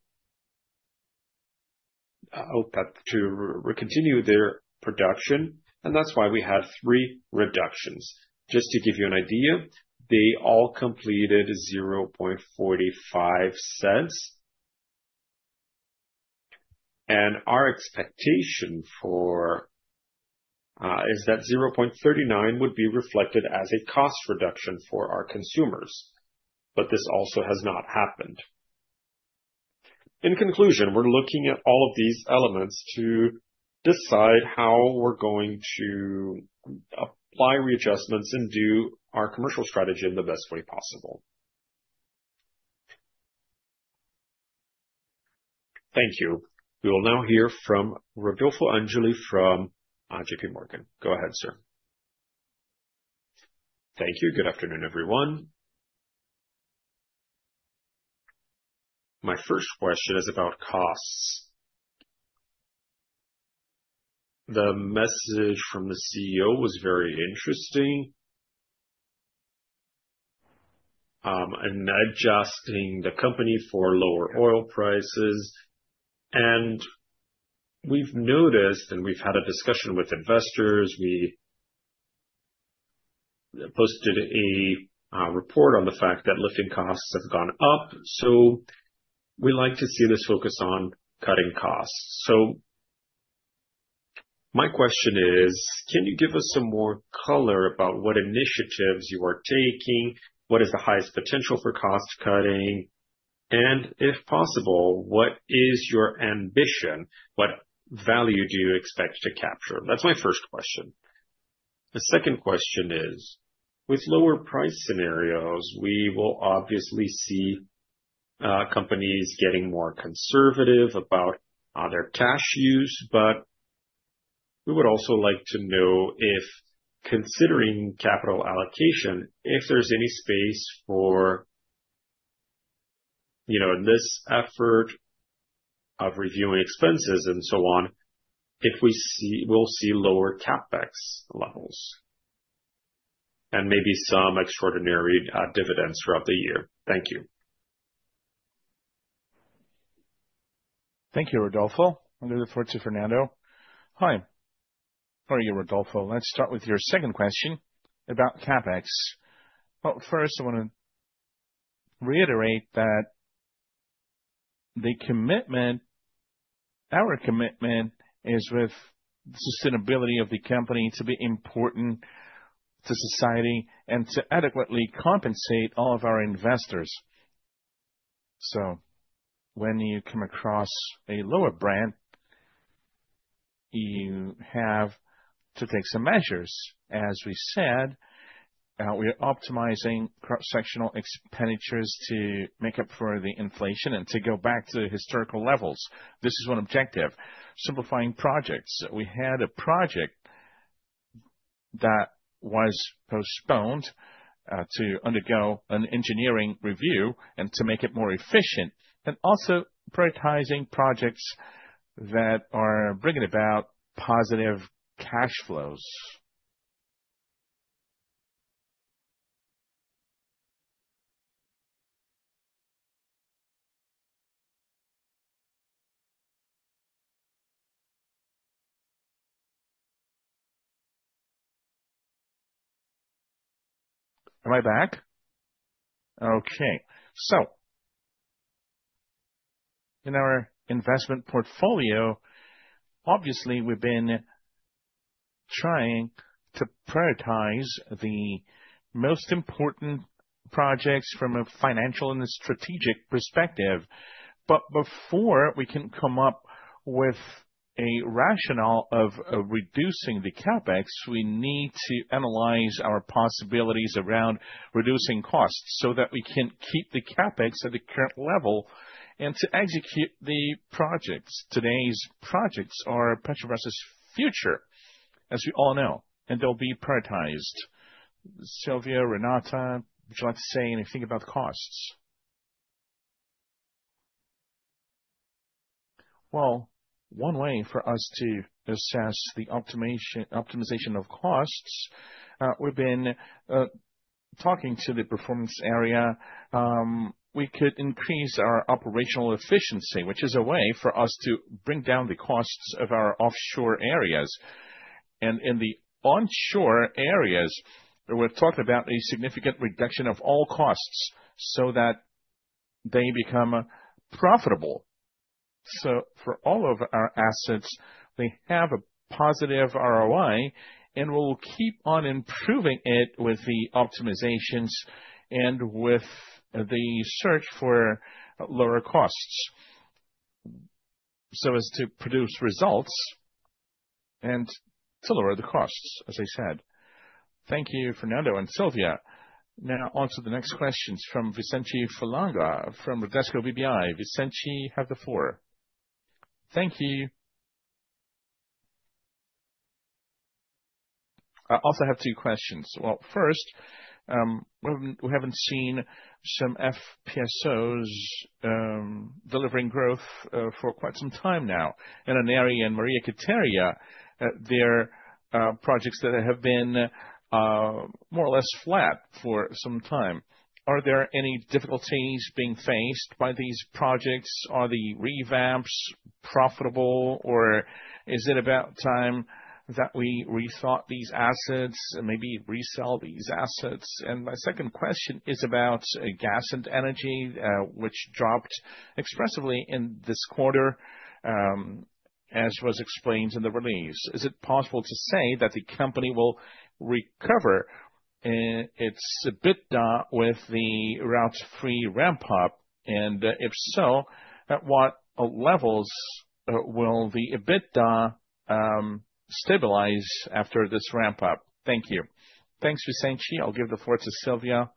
to continue their production. That's why we had three reductions. Just to give you an idea, they all completed $0.45. Our expectation is that $0.39 would be reflected as a cost reduction for our consumers. This also has not happened. In conclusion, we're looking at all of these elements to decide how we're going to apply readjustments and do our commercial strategy in the best way possible. Thank you. We will now hear from Rodolfo Angele from JPMorgan. Go ahead, sir. Thank you. Good afternoon, everyone. My first question is about costs. The message from the CEO was very interesting. Adjusting the company for lower oil prices. We've noticed, and we've had a discussion with investors. We posted a report on the fact that lifting costs have gone up. We like to see this focus on cutting costs. My question is, can you give us some more color about what initiatives you are taking? What is the highest potential for cost cutting? If possible, what is your ambition? What value do you expect to capture? That's my first question. The second question is, with lower price scenarios, we will obviously see companies getting more conservative about their cash use. But we would also like to know if, considering capital allocation, if there's any space for this effort of reviewing expenses and so on, if we will see lower CapEx levels and maybe some extraordinary dividends throughout the year. Thank you. Thank you, Rodolfo. I'm going to look forward to Fernando. Hi. How are you, Rodolfo? Let's start with your second question about CapEx. First, I want to reiterate that our commitment is with the sustainability of the company to be important to society and to adequately compensate all of our investors. When you come across a lower Brent, you have to take some measures. As we said, we are optimizing cross-sectional expenditures to make up for the inflation and to go back to historical levels. This is one objective. Simplifying projects. We had a project that was postponed to undergo an engineering review and to make it more efficient, and also prioritizing projects that are bringing about positive cash flows. Am I back? Okay. In our investment portfolio, obviously, we've been trying to prioritize the most important projects from a financial and a strategic perspective. Before we can come up with a rationale of reducing the CapEx, we need to analyze our possibilities around reducing costs so that we can keep the CapEx at the current level and to execute the projects. Today's projects are Petrobras's future, as we all know, and they'll be prioritized. Sylvia, Renata, would you like to say anything about costs? One way for us to assess the optimization of costs, we've been talking to the performance area. We could increase our operational efficiency, which is a way for us to bring down the costs of our offshore areas. In the onshore areas, we are talking about a significant reduction of all costs so that they become profitable. For all of our assets, they have a positive ROI, and we will keep on improving it with the optimizations and with the search for lower costs so as to produce results and to lower the costs, as I said. Thank you, Fernando and Sylvia. Now, on to the next questions from Vicente Falanga from Bradesco BBI. Vicente, have the floor. Thank you. I also have two questions. First, we have not seen some FPSOs delivering growth for quite some time now in an area in Maria Quitéria. There are projects that have been more or less flat for some time. Are there any difficulties being faced by these projects? Are the revamps profitable, or is it about time that we rethought these assets and maybe resell these assets? My second question is about gas and energy, which dropped expressively in this quarter, as was explained in the release. Is it possible to say that the company will recover its EBITDA with the Route 3 ramp-up? If so, at what levels will the EBITDA stabilize after this ramp-up? Thank you. Thanks, Vicente. I'll give the floor to Sylvia.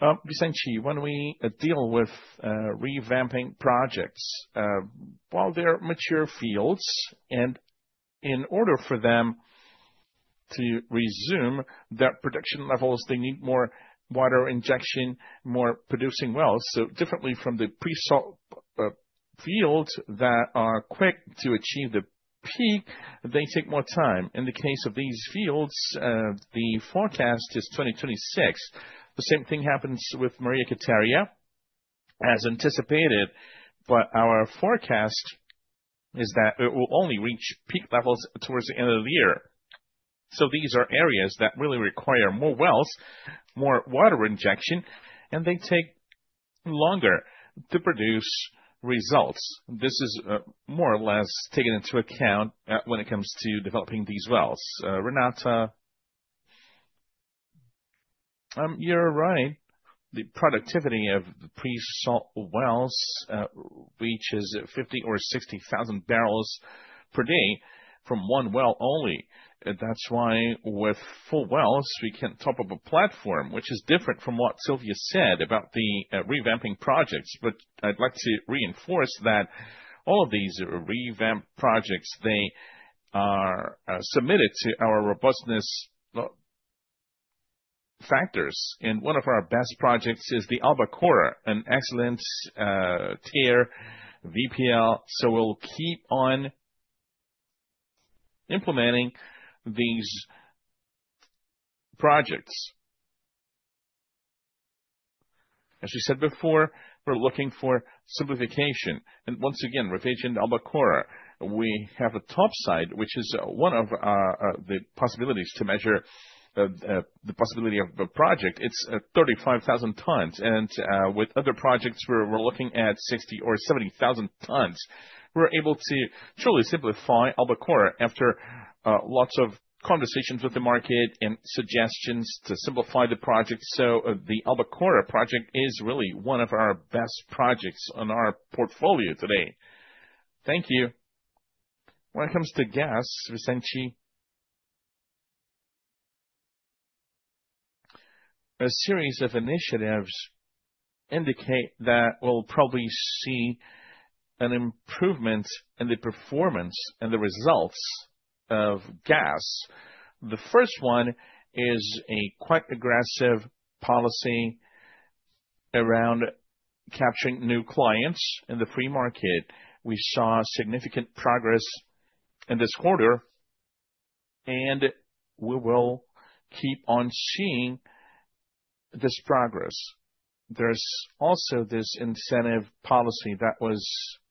Vicente, when we deal with revamping projects, while they're mature fields, and in order for them to resume their production levels, they need more water injection, more producing wells. Differently from the pre-salt fields that are quick to achieve the peak, they take more time. In the case of these fields, the forecast is 2026. The same thing happens with Maria Quitéria, as anticipated. Our forecast is that it will only reach peak levels towards the end of the year. These are areas that really require more wells, more water injection, and they take longer to produce results. This is more or less taken into account when it comes to developing these wells. Renata, You're right. The productivity of the pre-salt wells reaches 50,000 or 60,000 bbl per day from one well only. That's why with full wells, we can top up a platform, which is different from what Sylvia said about the revamping projects. I'd like to reinforce that all of these revamp projects are submitted to our robustness factors. One of our best projects is the Alba Cora, an excellent tier VPL. We'll keep on implementing these projects. As we said before, we're looking for simplification. Once again, Ravage and Albacora, we have a top side, which is one of the possibilities to measure the possibility of a project. It is 35,000 tons. With other projects, we are looking at 60,000 or 70,000 tons. We are able to truly simplify Albacora after lots of conversations with the market and suggestions to simplify the project. The Albacora project is really one of our best projects on our portfolio today. Thank you. When it comes to gas, Vicente, a series of initiatives indicate that we will probably see an improvement in the performance and the results of gas. The first one is a quite aggressive policy around capturing new clients in the free market. We saw significant progress in this quarter, and we will keep on seeing this progress. is also this incentive policy that was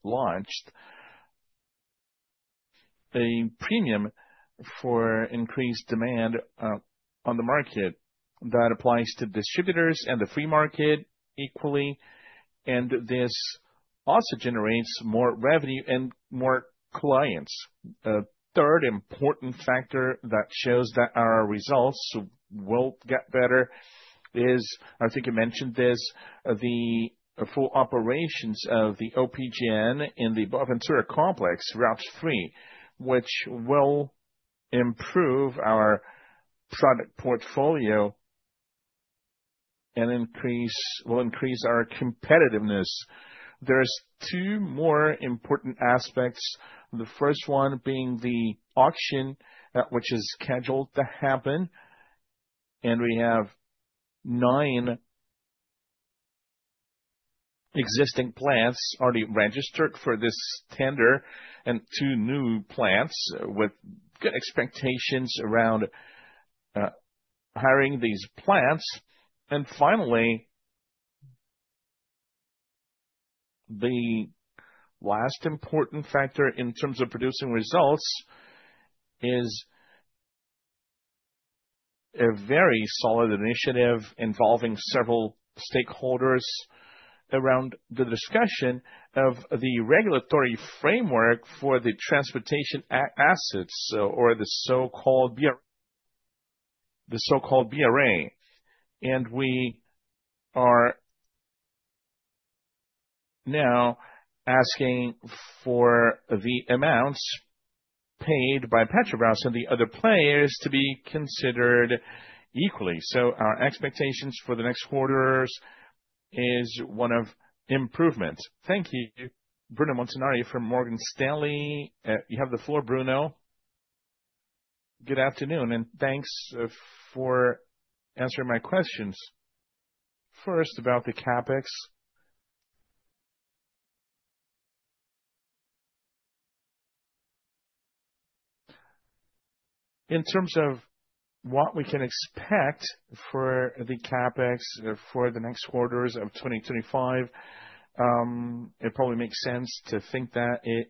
launched, a premium for increased demand on the market that applies to distributors and the free market equally. This also generates more revenue and more clients. A third important factor that shows that our results will get better is, I think you mentioned this, the full operations of the OPGN in the Boaventura complex, Route 3, which will improve our product portfolio and will increase our competitiveness. There are two more important aspects, the first one being the auction, which is scheduled to happen. We have nine existing plants already registered for this tender and two new plants with good expectations around hiring these plants. Finally, the last important factor in terms of producing results is a very solid initiative involving several stakeholders around the discussion of the regulatory framework for the transportation assets or the so-called BRA. We are now asking for the amounts paid by Petrobras and the other players to be considered equally. Our expectations for the next quarter is one of improvement. Thank you. Bruno Montanari from Morgan Stanley. You have the floor, Bruno. Good afternoon, and thanks for answering my questions. First, about the CapEx. In terms of what we can expect for the CapEx for the next quarters of 2025, it probably makes sense to think that it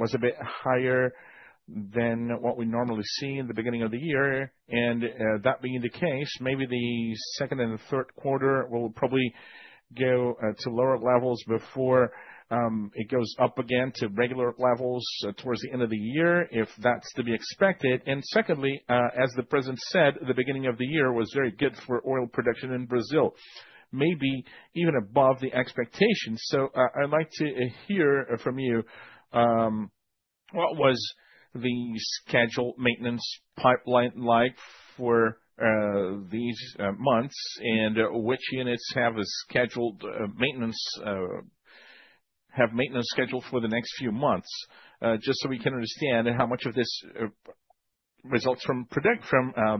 was a bit higher than what we normally see in the beginning of the year. That being the case, maybe the second and the third quarter will probably go to lower levels before it goes up again to regular levels towards the end of the year, if that's to be expected. Secondly, as the president said, the beginning of the year was very good for oil production in Brazil, maybe even above the expectations. I would like to hear from you what was the scheduled maintenance pipeline like for these months and which units have a scheduled maintenance schedule for the next few months, just so we can understand how much of this results from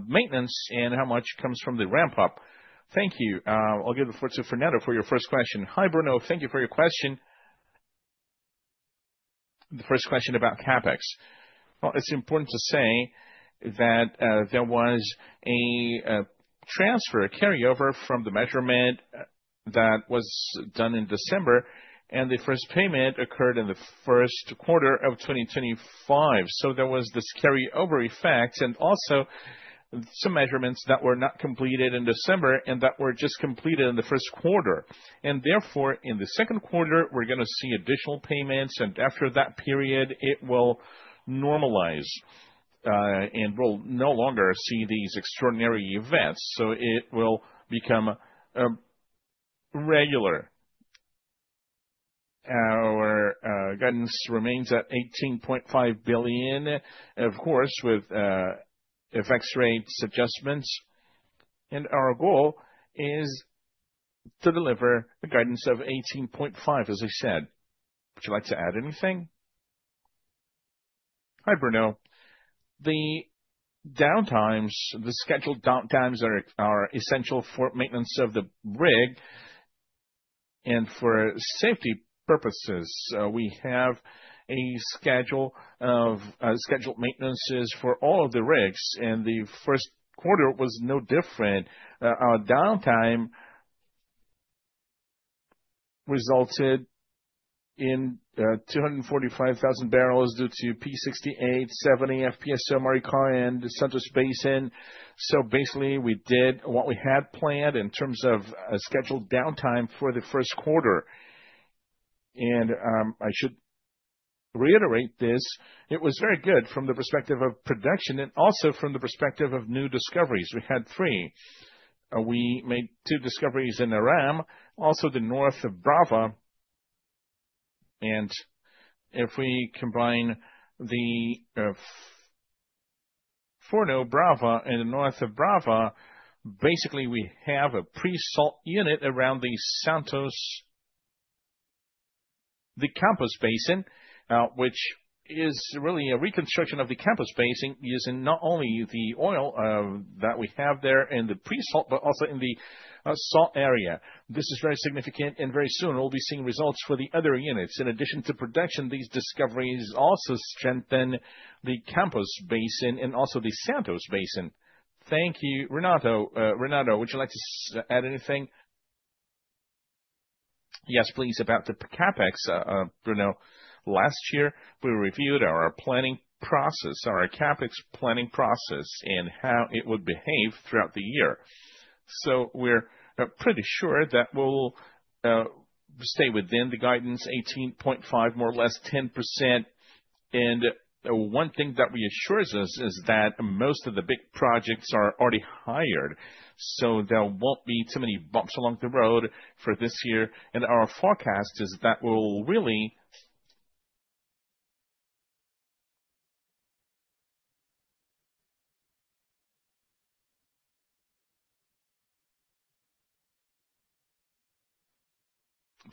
maintenance and how much comes from the ramp-up. Thank you. I will give the floor to Fernando for your first question. Hi, Bruno. Thank you for your question. The first question about CapEx. It is important to say that there was a transfer, a carryover from the measurement that was done in December, and the first payment occurred in the first quarter of 2025. There was this carryover effect and also some measurements that were not completed in December and that were just completed in the first quarter. Therefore, in the second quarter, we are going to see additional payments. After that period, it will normalize and we will no longer see these extraordinary events. It will become regular. Our guidance remains at 18.5 billion, of course, with FX rates adjustments. Our goal is to deliver a guidance of 18.5 billion, as I said. Would you like to add anything? Hi, Bruno. The downtimes, the scheduled downtimes are essential for maintenance of the rig. For safety purposes, we have a schedule of scheduled maintenances for all of the rigs. The first quarter was no different. Our downtime resulted in 245,000 bbl due to P-68, 70 FPSO, Maricá, and Santos Basin. Basically, we did what we had planned in terms of scheduled downtime for the first quarter. I should reiterate this. It was very good from the perspective of production and also from the perspective of new discoveries. We had three. We made two discoveries in Iran, also the north of Brava. If we combine the Forno Brava and the north of Brava, basically, we have a pre-salt unit around the Santos, the Campos Basin, which is really a reconstruction of the Campos Basin using not only the oil that we have there in the pre-salt, but also in the salt area. This is very significant, and very soon, we will be seeing results for the other units. In addition to production, these discoveries also strengthen the Campos Basin and also the Santos Basin. Thank you, Renato. Renato, would you like to add anything? Yes, please, about the CapEx, Bruno. Last year, we reviewed our planning process, our CapEx planning process, and how it would behave throughout the year. We are pretty sure that we will stay within the guidance, $18.5 billion, more or less 10%. One thing that reassures us is that most of the big projects are already hired, so there will not be too many bumps along the road for this year. Our forecast is that we will really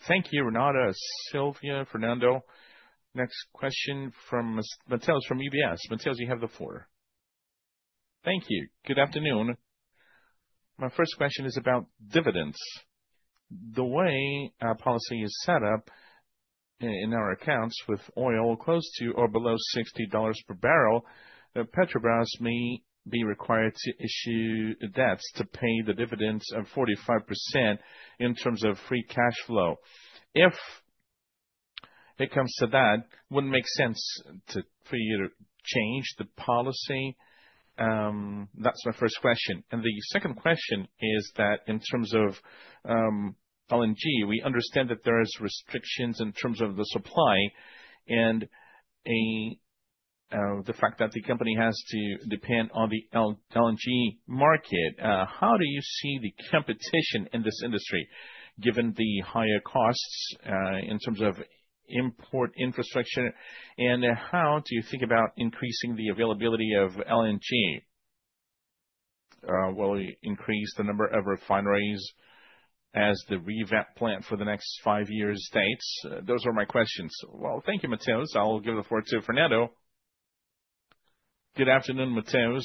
Thank you, Renata, Sylvia, Fernando. Next question from Matheus Enfeldt from UBS. Matheus, you have the floor. Thank you. Good afternoon. My first question is about dividends. The way our policy is set up in our accounts with oil close to or below $60 per bbl, Petrobras may be required to issue debts to pay the dividends of 45% in terms of free cash flow. If it comes to that, would not it make sense for you to change the policy? That is my first question. The second question is that in terms of LNG, we understand that there are restrictions in terms of the supply and the fact that the company has to depend on the LNG market. How do you see the competition in this industry, given the higher costs in terms of import infrastructure? How do you think about increasing the availability of LNG? Will we increase the number of refineries as the revamp plan for the next five years states? Those are my questions. Thank you, Matteo. I will give the floor to Fernando. Good afternoon, Matteo.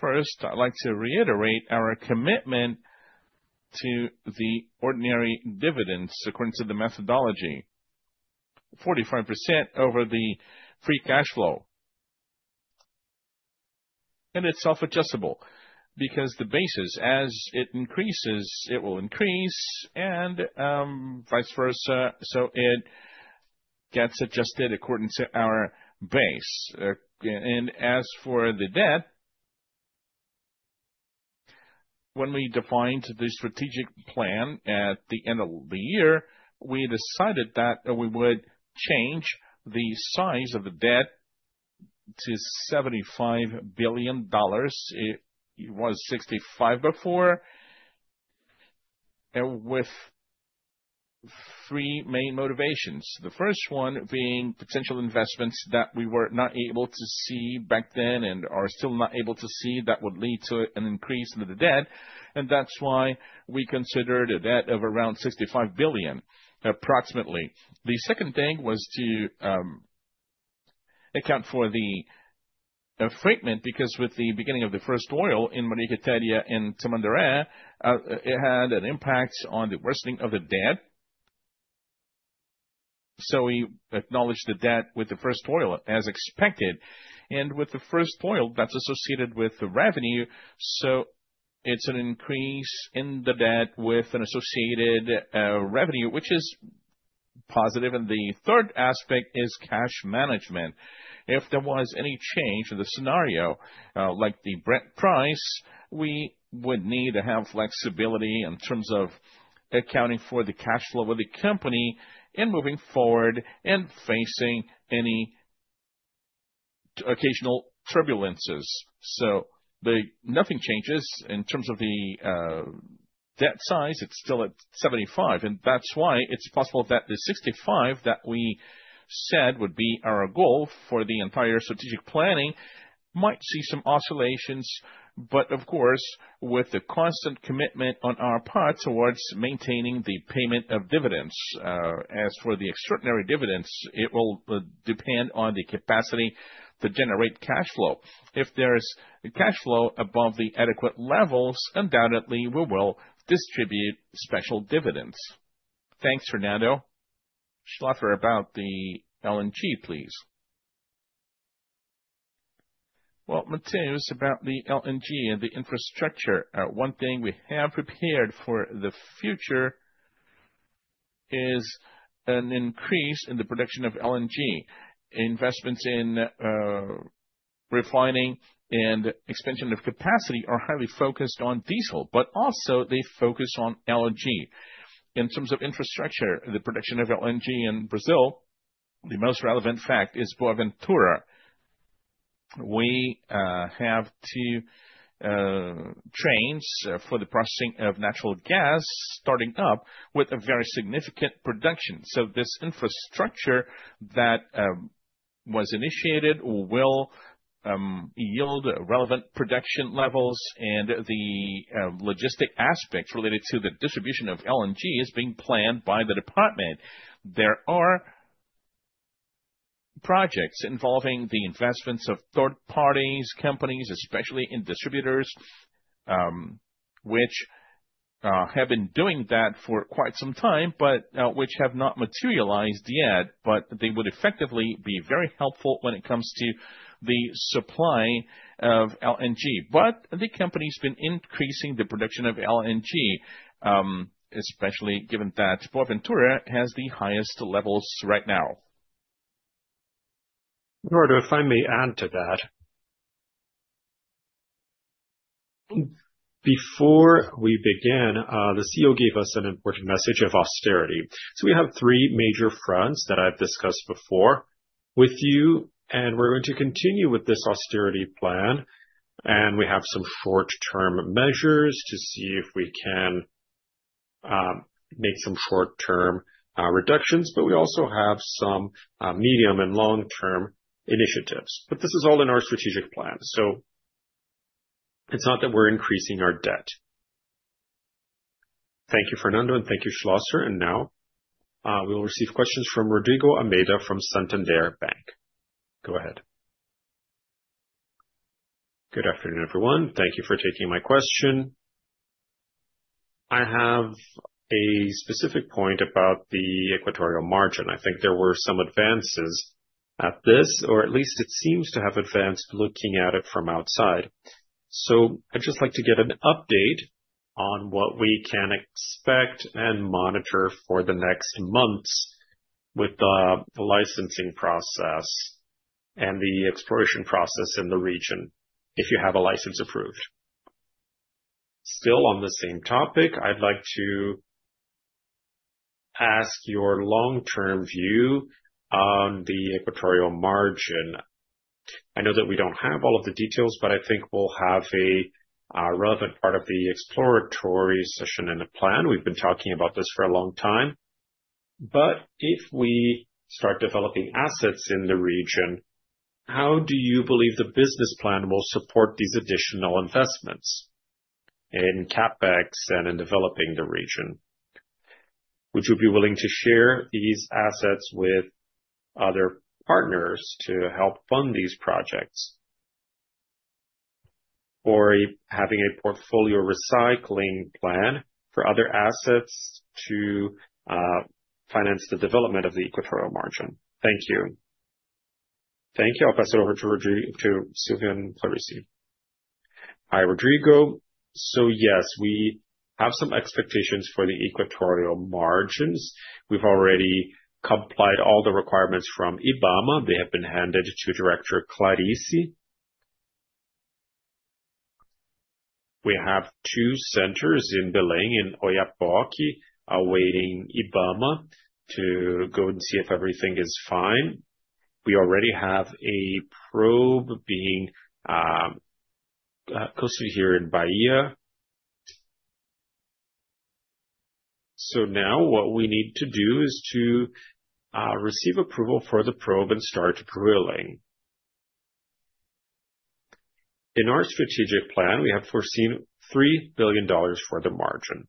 First, I would like to reiterate our commitment to the ordinary dividends according to the methodology, 45% over the free cash flow. It is self-adjustable because the basis, as it increases, it will increase and vice versa. It gets adjusted according to our base. As for the debt, when we defined the strategic plan at the end of the year, we decided that we would change the size of the debt to $75 billion. It was $65 billion before with three main motivations. The first one being potential investments that we were not able to see back then and are still not able to see that would lead to an increase in the debt. That is why we considered a debt of around $65 billion, approximately. The second thing was to account for the fragment because with the beginning of the first oil in Marlim, Quatirua, and Tartaruga, it had an impact on the worsening of the debt. We acknowledged the debt with the first oil as expected. With the first oil, that's associated with the revenue. It's an increase in the debt with an associated revenue, which is positive. The third aspect is cash management. If there was any change in the scenario, like the Brent price, we would need to have flexibility in terms of accounting for the cash flow of the company and moving forward and facing any occasional turbulences. Nothing changes in terms of the debt size. It's still at 75. That's why it's possible that the 65 that we said would be our goal for the entire strategic planning might see some oscillations. Of course, with the constant commitment on our part towards maintaining the payment of dividends, as for the extraordinary dividends, it will depend on the capacity to generate cash flow. If there's cash flow above the adequate levels, undoubtedly, we will distribute special dividends. Thanks, Fernando. Slot for about the LNG, please. Matteo, it is about the LNG and the infrastructure. One thing we have prepared for the future is an increase in the production of LNG. Investments in refining and expansion of capacity are highly focused on diesel, but also they focus on LNG. In terms of infrastructure, the production of LNG in Brazil, the most relevant fact is Boaventura. We have two trains for the processing of natural gas starting up with a very significant production. This infrastructure that was initiated will yield relevant production levels. The logistic aspect related to the distribution of LNG is being planned by the department. There are projects involving the investments of third-party companies, especially in distributors, which have been doing that for quite some time, but which have not materialized yet. They would effectively be very helpful when it comes to the supply of LNG. The company's been increasing the production of LNG, especially given that Boaventura has the highest levels right now. Norde, if I may add to that. Before we begin, the CEO gave us an important message of austerity. We have three major fronts that I have discussed before with you, and we are going to continue with this austerity plan. We have some short-term measures to see if we can make some short-term reductions, but we also have some medium and long-term initiatives. This is all in our strategic plan. It is not that we are increasing our debt. Thank you, Fernando, and thank you, Schlosser. Now we will receive questions from Rodrigo Almeida from Santander Bank. Go ahead. Good afternoon, everyone. Thank you for taking my question. I have a specific point about the equatorial margin. I think there were some advances at this, or at least it seems to have advanced looking at it from outside. I’d just like to get an update on what we can expect and monitor for the next months with the licensing process and the exploration process in the region, if you have a license approved. Still on the same topic, I’d like to ask your long-term view on the equatorial margin. I know that we don’t have all of the details, but I think we’ll have a relevant part of the exploratory session in the plan. We’ve been talking about this for a long time. If we start developing assets in the region, how do you believe the business plan will support these additional investments in CapEx and in developing the region? Would you be willing to share these assets with other partners to help fund these projects? Or having a portfolio recycling plan for other assets to finance the development of the equatorial margin? Thank you. Thank you. I'll pass it over to Rodrigo, to Sylvia, and Clarice. Hi, Rodrigo. Yes, we have some expectations for the equatorial margin. We've already complied with all the requirements from IBAMA. They have been handed to Director Clarice. We have two centers in Belém and Oiapoque awaiting IBAMA to go and see if everything is fine. We already have a probe being hosted here in Bahia. Now what we need to do is to receive approval for the probe and start drilling. In our strategic plan, we have foreseen $3 billion for the margin.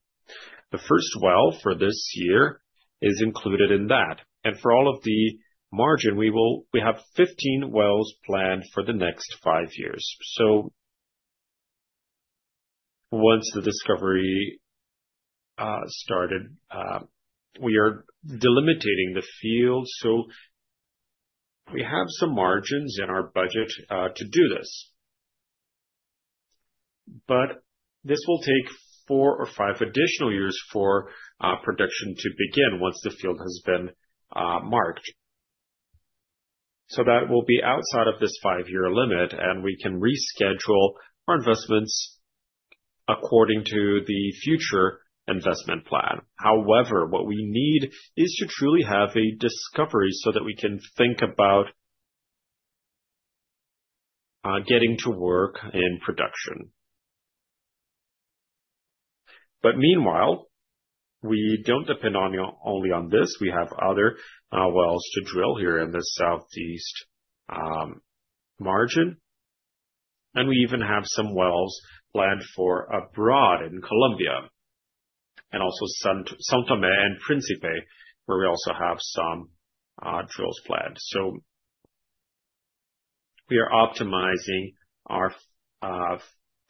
The first well for this year is included in that. For all of the margin, we have 15 wells planned for the next five years. Once the discovery started, we are delimiting the field. We have some margins in our budget to do this. This will take four or five additional years for production to begin once the field has been marked. That will be outside of this five-year limit, and we can reschedule our investments according to the future investment plan. However, what we need is to truly have a discovery so that we can think about getting to work in production. Meanwhile, we do not depend only on this. We have other wells to drill here in the southeast margin. We even have some wells planned for abroad in Colombia and also São Tomé and Príncipe, where we also have some drills planned. We are optimizing our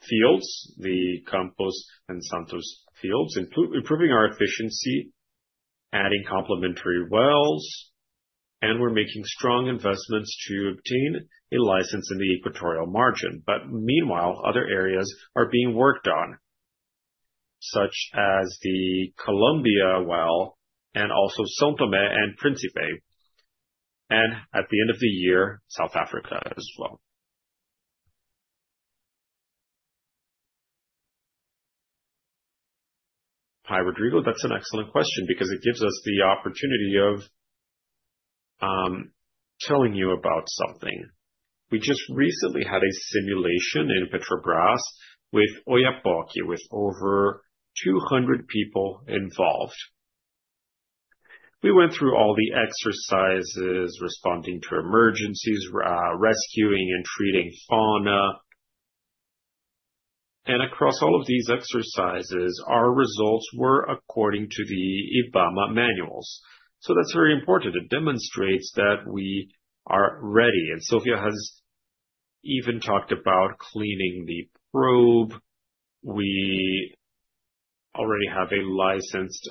fields, the Campos and Santos fields, improving our efficiency, adding complementary wells, and we're making strong investments to obtain a license in the equatorial margin. Meanwhile, other areas are being worked on, such as the Colombia well and also São Tomé and Príncipe. At the end of the year, South Africa as well. Hi, Rodrigo. That's an excellent question because it gives us the opportunity of telling you about something. We just recently had a simulation in Petrobras with Oiapoque, with over 200 people involved. We went through all the exercises, responding to emergencies, rescuing and treating fauna. Across all of these exercises, our results were according to the IBAMA manuals. That's very important. It demonstrates that we are ready. Sophia has even talked about cleaning the probe. We already have a licensed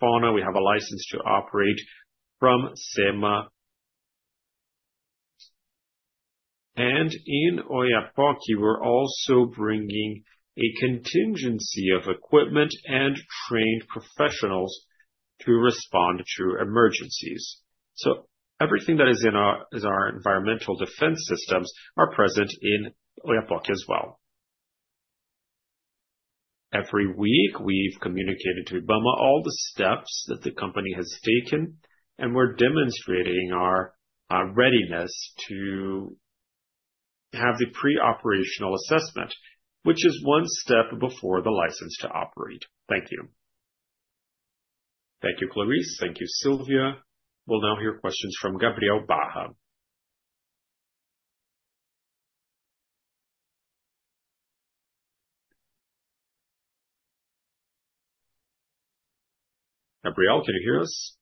fauna. We have a license to operate from SEMA. In Oiapoque, we're also bringing a contingency of equipment and trained professionals to respond to emergencies. Everything that is in our environmental defense systems is present in Oiapoque as well. Every week, we've communicated to IBAMA all the steps that the company has taken, and we're demonstrating our readiness to have the pre-operational assessment, which is one step before the license to operate. Thank you. Thank you, Clarice. Thank you, Sylvia. We'll now hear questions from Gabriel Barra. Gabriel, can you hear us?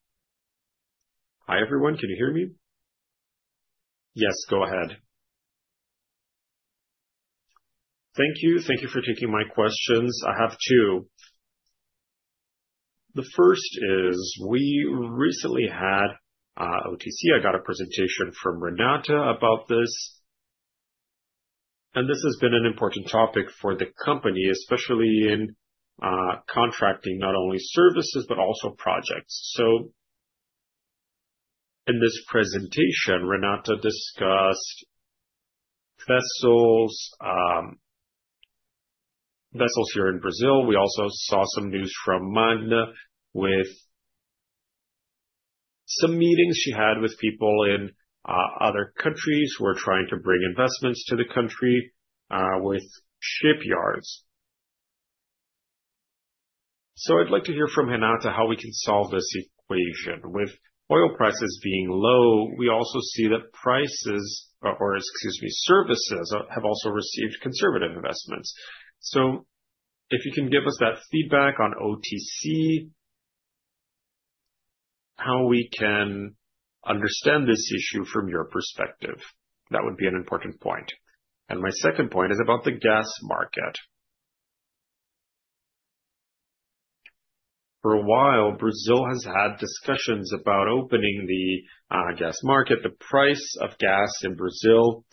Hi, everyone. Can you hear me? Yes, go ahead. Thank you. Thank you for taking my questions. I have two. The first is we recently had OTC. I got a presentation from Renata about this. This has been an important topic for the company, especially in contracting not only services but also projects. In this presentation, Renata discussed vessels here in Brazil. We also saw some news from Magda with some meetings she had with people in other countries who are trying to bring investments to the country with shipyards. I'd like to hear from Renata how we can solve this equation. With oil prices being low, we also see that services have also received conservative investments. If you can give us that feedback on OTC, how we can understand this issue from your perspective, that would be an important point. My second point is about the gas market. For a while, Brazil has had discussions about opening the gas market, the price of gas in Brazil.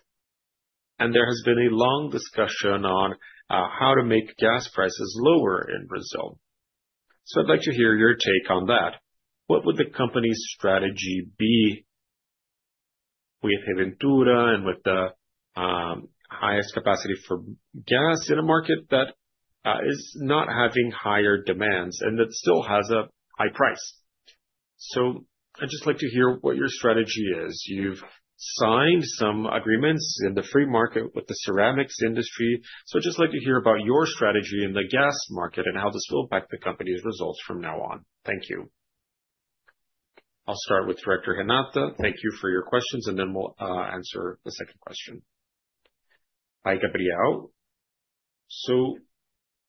There has been a long discussion on how to make gas prices lower in Brazil. I'd like to hear your take on that. What would the company's strategy be with Juventura and with the highest capacity for gas in a market that is not having higher demands and that still has a high price? I'd just like to hear what your strategy is. You've signed some agreements in the free market with the ceramics industry. I'd just like to hear about your strategy in the gas market and how this will impact the company's results from now on. Thank you. I'll start with Director Renata. Thank you for your questions, and then we'll answer the second question. Hi, Gabriel.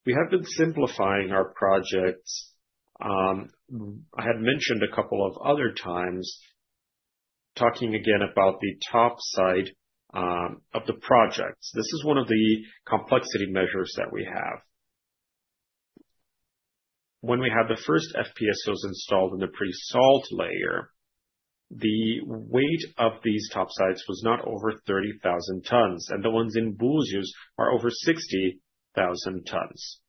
We have been simplifying our projects. I had mentioned a couple of other times, talking again about the top side of the projects. This is one of the complexity measures that we have. When we had the first FPSOs installed in the pre-salt layer, the weight of these topsides was not over 30,000 tons, and the ones in Búzios are over 60,000 tons.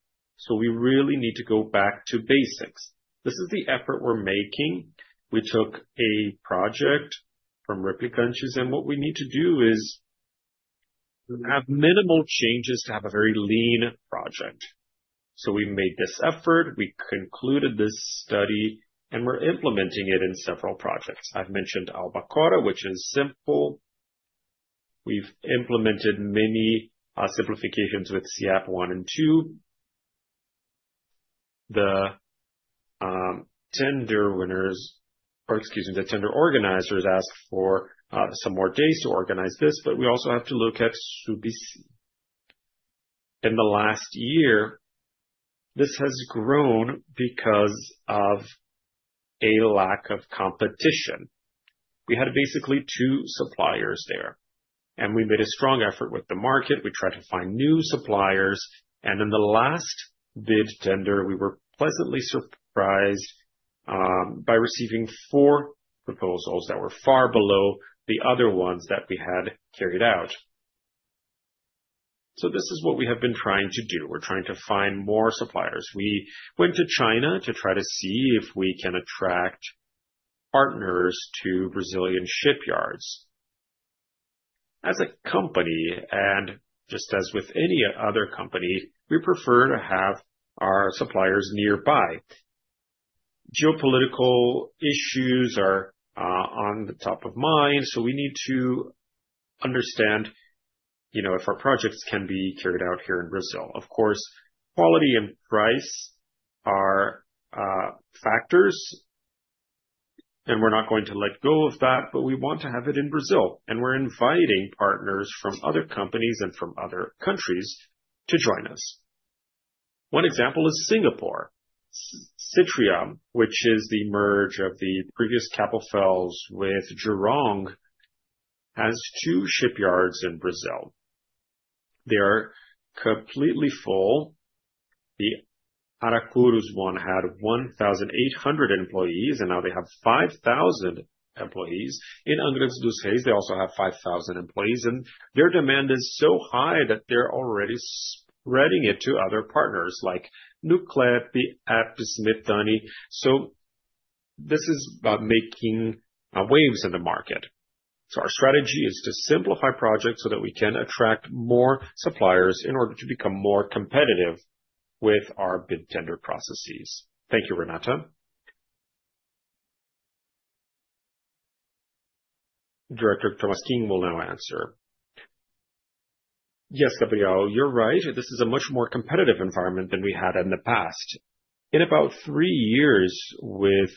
We really need to go back to basics. This is the effort we're making. We took a project from Replicantes, and what we need to do is have minimal changes to have a very lean project. We made this effort. We concluded this study, and we're implementing it in several projects. I've mentioned Albacora, which is simple. We've implemented many simplifications with SIAP 1 and 2. The tender winners, or excuse me, the tender organizers asked for some more days to organize this, but we also have to look at SUBIC. In the last year, this has grown because of a lack of competition. We had basically two suppliers there, and we made a strong effort with the market. We tried to find new suppliers. In the last bid tender, we were pleasantly surprised by receiving four proposals that were far below the other ones that we had carried out. This is what we have been trying to do. We're trying to find more suppliers. We went to China to try to see if we can attract partners to Brazilian shipyards. As a company, and just as with any other company, we prefer to have our suppliers nearby. Geopolitical issues are on the top of mind, so we need to understand if our projects can be carried out here in Brazil. Of course, quality and price are factors, and we're not going to let go of that, but we want to have it in Brazil. We are inviting partners from other companies and from other countries to join us. One example is Singapore. Sembcorp Marine, which is the merge of the previous Keppel FELS with Jurong, has two shipyards in Brazil. They are completely full. The Aracaju one had 1,800 employees, and now they have 5,000 employees. In Angra dos Reis, they also have 5,000 employees, and their demand is so high that they are already spreading it to other partners like Nuclep, the APS, Methani. This is making waves in the market. Our strategy is to simplify projects so that we can attract more suppliers in order to become more competitive with our bid tender processes. Thank you, Renata. Director Tolmasquim will now answer. Yes, Gabriel, you are right. This is a much more competitive environment than we had in the past. In about three years with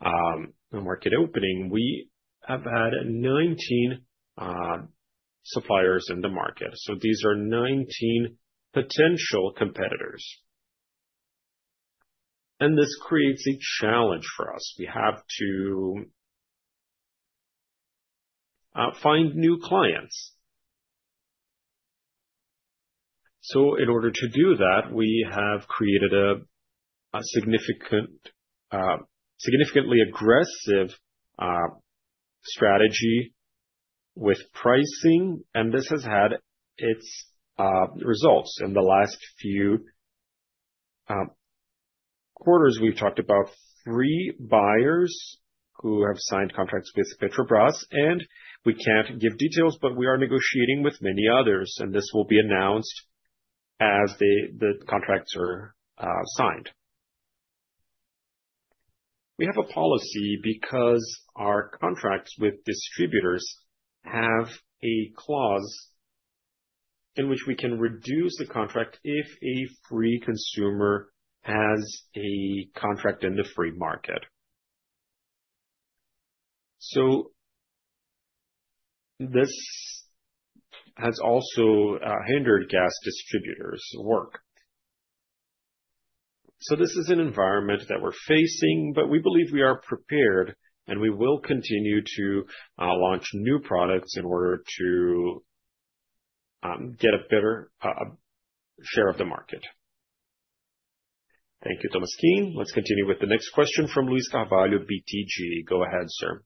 the market opening, we have had 19 suppliers in the market. These are 19 potential competitors. This creates a challenge for us. We have to find new clients. In order to do that, we have created a significantly aggressive strategy with pricing, and this has had its results. In the last few quarters, we've talked about three buyers who have signed contracts with Petrobras, and we can't give details, but we are negotiating with many others, and this will be announced as the contracts are signed. We have a policy because our contracts with distributors have a clause in which we can reduce the contract if a free consumer has a contract in the free market. This has also hindered gas distributors' work. This is an environment that we're facing, but we believe we are prepared, and we will continue to launch new products in order to get a better share of the market. Thank you, Tomas King. Let's continue with the next question from Luiz Carvalho, BTG. Go ahead, sir.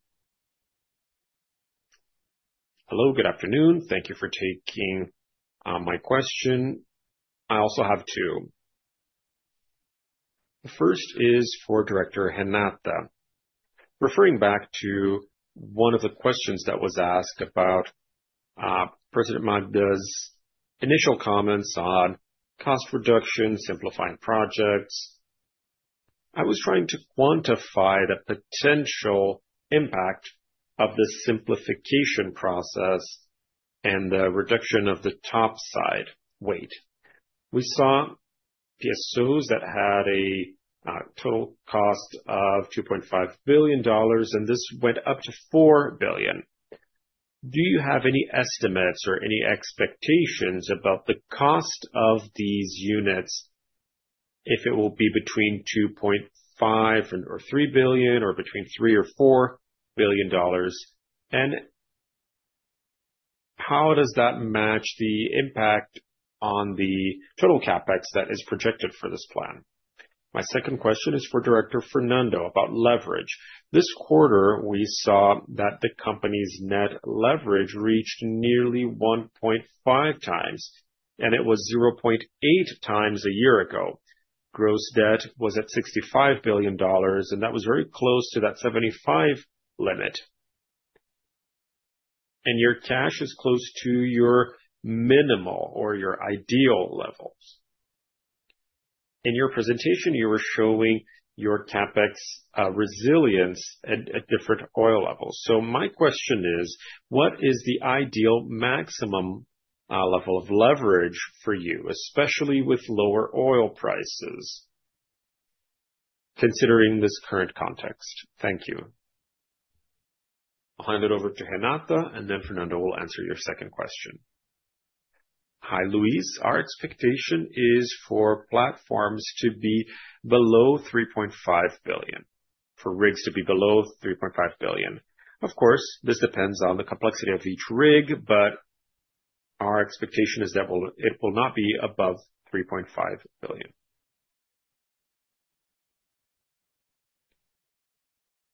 Hello, good afternoon. Thank you for taking my question. I also have two. The first is for Director Renata. Referring back to one of the questions that was asked about President Magda's initial comments on cost reduction, simplifying projects, I was trying to quantify the potential impact of the simplification process and the reduction of the top side weight. We saw FPSOs that had a total cost of $2.5 billion, and this went up to $4 billion. Do you have any estimates or any expectations about the cost of these units if it will be between $2.5 billion and or $3 billion or between $3 billion or $4 billion? How does that match the impact on the total CapEx that is projected for this plan? My second question is for Director Fernando about leverage. This quarter, we saw that the company's net leverage reached nearly 1.5x, and it was 0.8x a year ago. Gross debt was at $65 billion, and that was very close to that 75 limit. Your cash is close to your minimal or your ideal levels. In your presentation, you were showing your CapEx resilience at different oil levels. My question is, what is the ideal maximum level of leverage for you, especially with lower oil prices, considering this current context? Thank you. I'll hand it over to Renata, and then Fernando will answer your second question. Hi, Luiz. Our expectation is for platforms to be below $3.5 billion, for rigs to be below $3.5 billion. Of course, this depends on the complexity of each rig, but our expectation is that it will not be above $3.5 billion.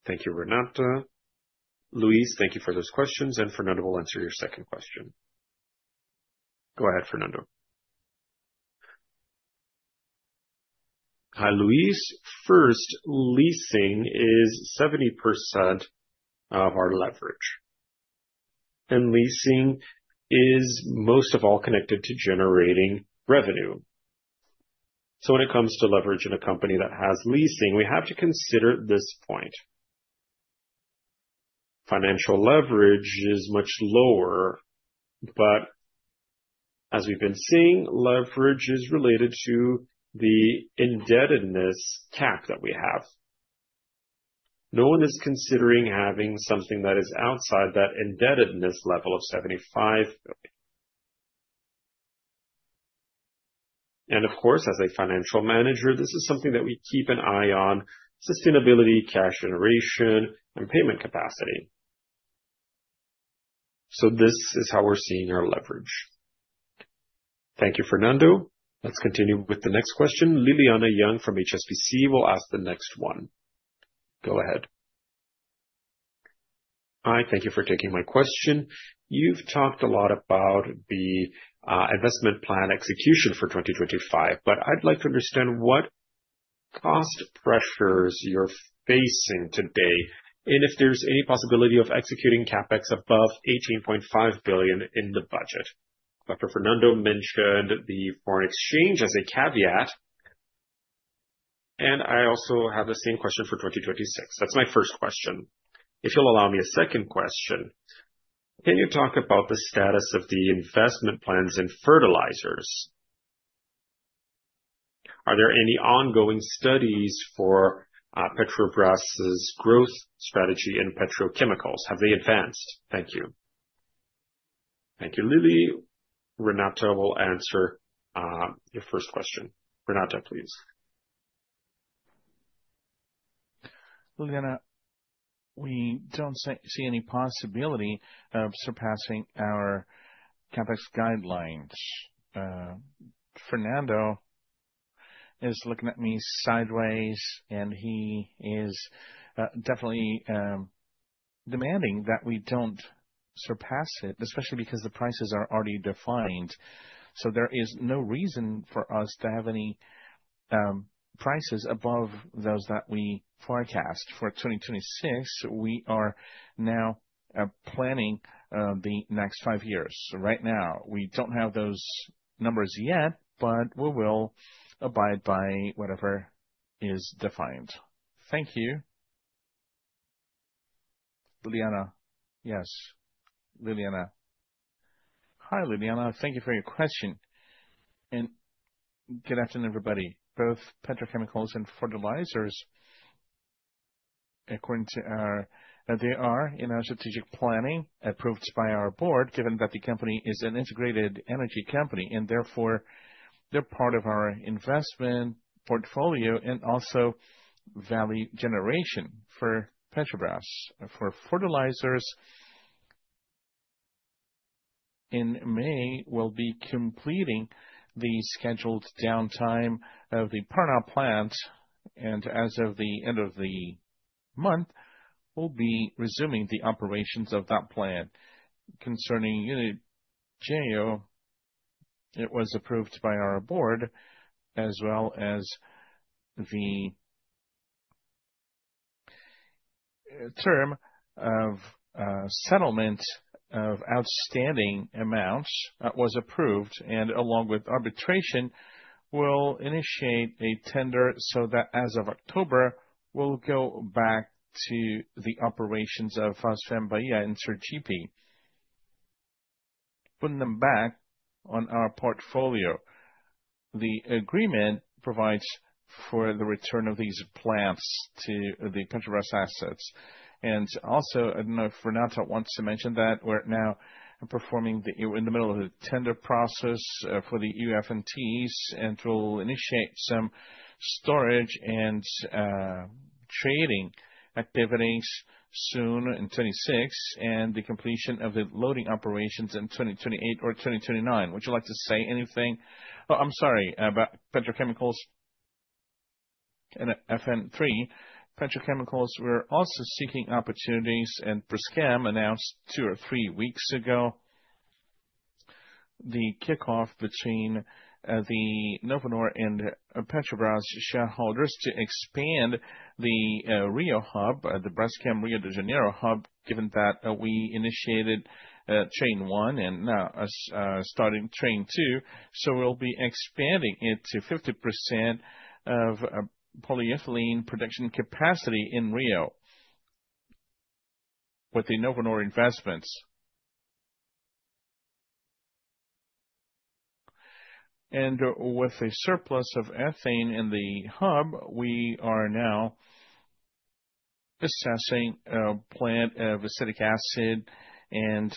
Thank you, Renata. Luiz, thank you for those questions, and Fernando will answer your second question. Go ahead, Fernando. Hi, Luiz. First, leasing is 70% of our leverage. And leasing is most of all connected to generating revenue. When it comes to leverage in a company that has leasing, we have to consider this point. Financial leverage is much lower, but as we've been seeing, leverage is related to the indebtedness cap that we have. No one is considering having something that is outside that indebtedness level of $75 billion. Of course, as a financial manager, this is something that we keep an eye on: sustainability, cash generation, and payment capacity. This is how we're seeing our leverage. Thank you, Fernando. Let's continue with the next question. Lilyanna Yang from HSBC will ask the next one. Go ahead. Hi, thank you for taking my question. You've talked a lot about the investment plan execution for 2025, but I'd like to understand what cost pressures you're facing today and if there's any possibility of executing CapEx above $18.5 billion in the budget. Dr. Fernando mentioned the foreign exchange as a caveat. I also have the same question for 2026. That's my first question. If you'll allow me a second question, can you talk about the status of the investment plans in fertilizers? Are there any ongoing studies for Petrobras's growth strategy in petrochemicals? Have they advanced? Thank you. Thank you, Lily. Renata will answer your first question. Renata, please. Lilyanna, we do not see any possibility of surpassing our CapEx guidelines. Fernando is looking at me sideways, and he is definitely demanding that we do not surpass it, especially because the prices are already defined. There is no reason for us to have any prices above those that we forecast for 2026. We are now planning the next five years. Right now, we do not have those numbers yet, but we will abide by whatever is defined. Thank you. Hi, Lilyanna. Thank you for your question. Good afternoon, everybody. Both petrochemicals and fertilizers, according to our—they are in our strategic planning approved by our board, given that the company is an integrated energy company and therefore they are part of our investment portfolio and also value generation for Petrobras. For fertilizers, in May, we'll be completing the scheduled downtime of the Parnall plant, and as of the end of the month, we'll be resuming the operations of that plant. Concerning Unit JO, it was approved by our board, as well as the term of settlement of outstanding amounts that was approved, and along with arbitration, we'll initiate a tender so that as of October, we'll go back to the operations of Fosfembaia and Sir Jipi, putting them back on our portfolio. The agreement provides for the return of these plants to the Petrobras assets. I don't know if Renata wants to mention that we're now performing the—we're in the middle of the tender process for the UFNTs, and we'll initiate some storage and trading activities soon in 2026 and the completion of the loading operations in 2028 or 2029. Would you like to say anything? Oh, I'm sorry, about petrochemicals and FN3. Petrochemicals, we're also seeking opportunities and Braskem announced two or three weeks ago the kickoff between the Novonor and Petrobras shareholders to expand the Rio Hub, the Braskem Rio de Janeiro hub, given that we initiated chain one and now starting chain two. We will be expanding it to 50% of polyethylene production capacity in Rio with the Novonor investments. With a surplus of ethane in the hub, we are now assessing a plant of acetic acid, and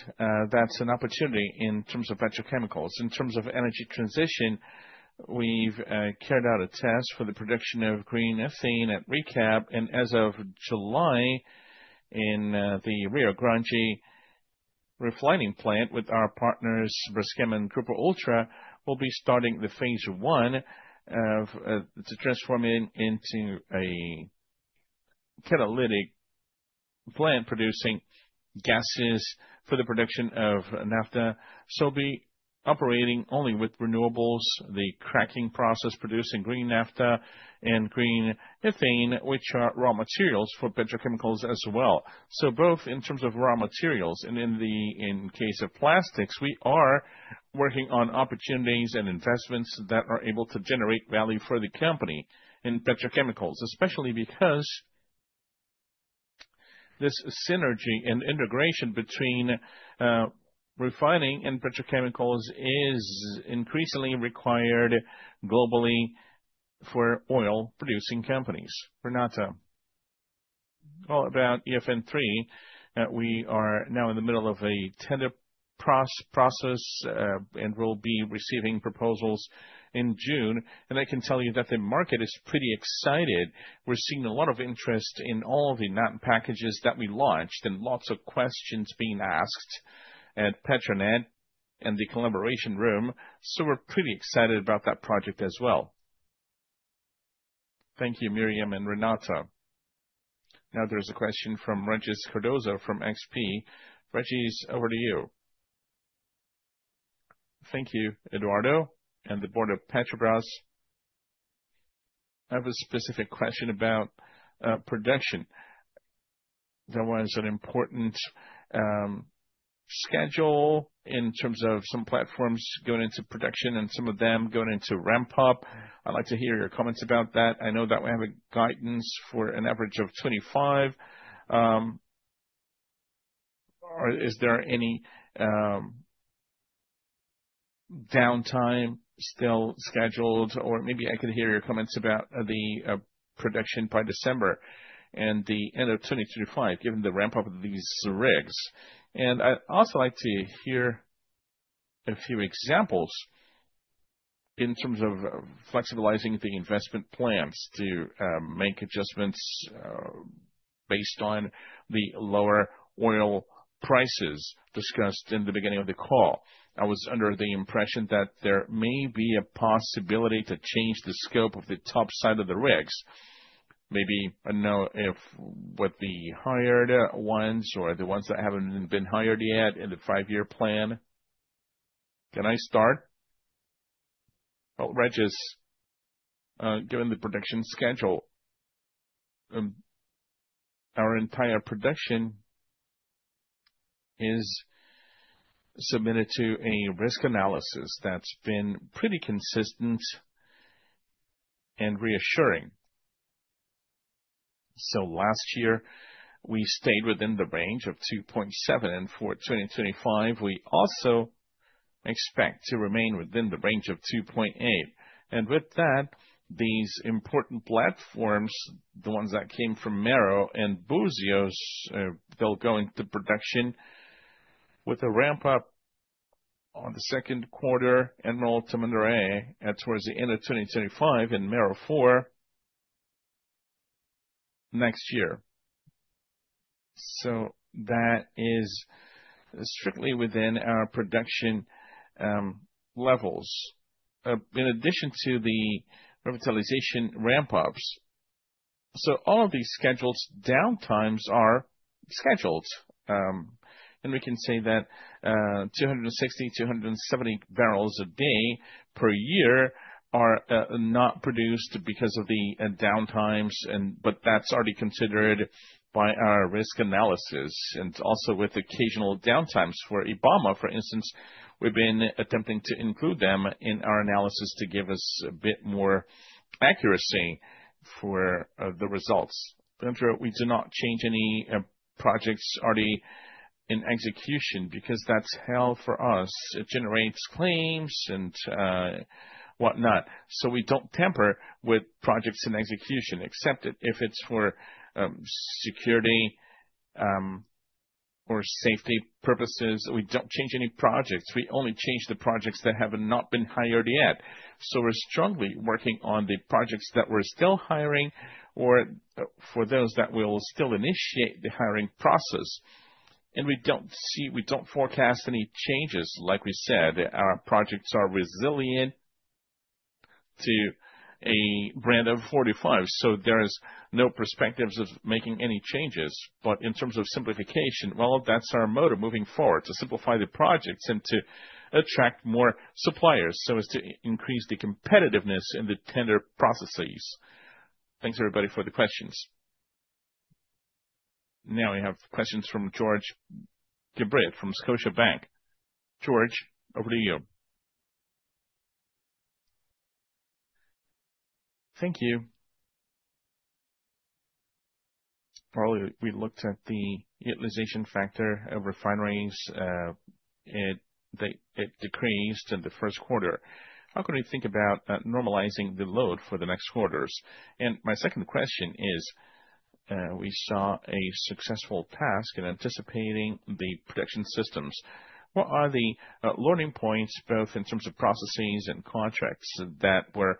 that's an opportunity in terms of petrochemicals. In terms of energy transition, we've carried out a test for the production of green ethane at Recap, and as of July in the Rio Grande refining plant with our partners, Braskem and Grupo Ultra, we will be starting the phase one of transforming into a catalytic plant producing gases for the production of naphtha. We will be operating only with renewables, the cracking process producing green nafta and green ethane, which are raw materials for petrochemicals as well. Both in terms of raw materials and in the case of plastics, we are working on opportunities and investments that are able to generate value for the company in petrochemicals, especially because this synergy and integration between refining and petrochemicals is increasingly required globally for oil-producing companies. Renata, All about EFN3. We are now in the middle of a tender process and will be receiving proposals in June. I can tell you that the market is pretty excited. We are seeing a lot of interest in all the NAT packages that we launched and lots of questions being asked at Petronet and the collaboration room. We are pretty excited about that project as well. Thank you, Miriam and Renata. Now there's a question from Regis Cardoza from XP. Regis, over to you. Thank you, Eduardo, and the board of Petrobras. I have a specific question about production. There was an important schedule in terms of some platforms going into production and some of them going into ramp-up. I'd like to hear your comments about that. I know that we have a guidance for an average of 25. Is there any downtime still scheduled? Maybe I could hear your comments about the production by December and the end of 2025, given the ramp-up of these rigs. I'd also like to hear a few examples in terms of flexibilizing the investment plans to make adjustments based on the lower oil prices discussed in the beginning of the call. I was under the impression that there may be a possibility to change the scope of the top side of the rigs. Maybe I know if with the hired ones or the ones that have not been hired yet in the five-year plan. Can I start? Regis, given the production schedule, our entire production is submitted to a risk analysis that has been pretty consistent and reassuring. Last year, we stayed within the range of 2.7, and for 2025, we also expect to remain within the range of 2.8. With that, these important platforms, the ones that came from Mero and Búzios, they will go into production with a ramp-up in the second quarter and roll to Mero III towards the end of 2025 and Mero IV next year. That is strictly within our production levels, in addition to the revitalization ramp-ups. All of these scheduled downtimes are scheduled. We can say that 260, 270 bbl a day per year are not produced because of the downtimes, but that's already considered by our risk analysis. Also, with occasional downtimes for IBAMA, for instance, we've been attempting to include them in our analysis to give us a bit more accuracy for the results. We do not change any projects already in execution because that's hell for us. It generates claims and whatnot. We do not tamper with projects in execution, except if it's for security or safety purposes. We do not change any projects. We only change the projects that have not been hired yet. We are strongly working on the projects that we are still hiring or for those that we will still initiate the hiring process. We do not forecast any changes. Like we said, our projects are resilient to a Brent of $45, so there's no perspectives of making any changes. In terms of simplification, that's our motive moving forward to simplify the projects and to attract more suppliers so as to increase the competitiveness in the tender processes. Thanks, everybody, for the questions. Now we have questions from George Gibrit from Scotiabank. George, over to you. Thank you. Probably we looked at the utilization factor of refineries. It decreased in the first quarter. How can we think about normalizing the load for the next quarters? My second question is, we saw a successful task in anticipating the production systems. What are the learning points, both in terms of processes and contracts that were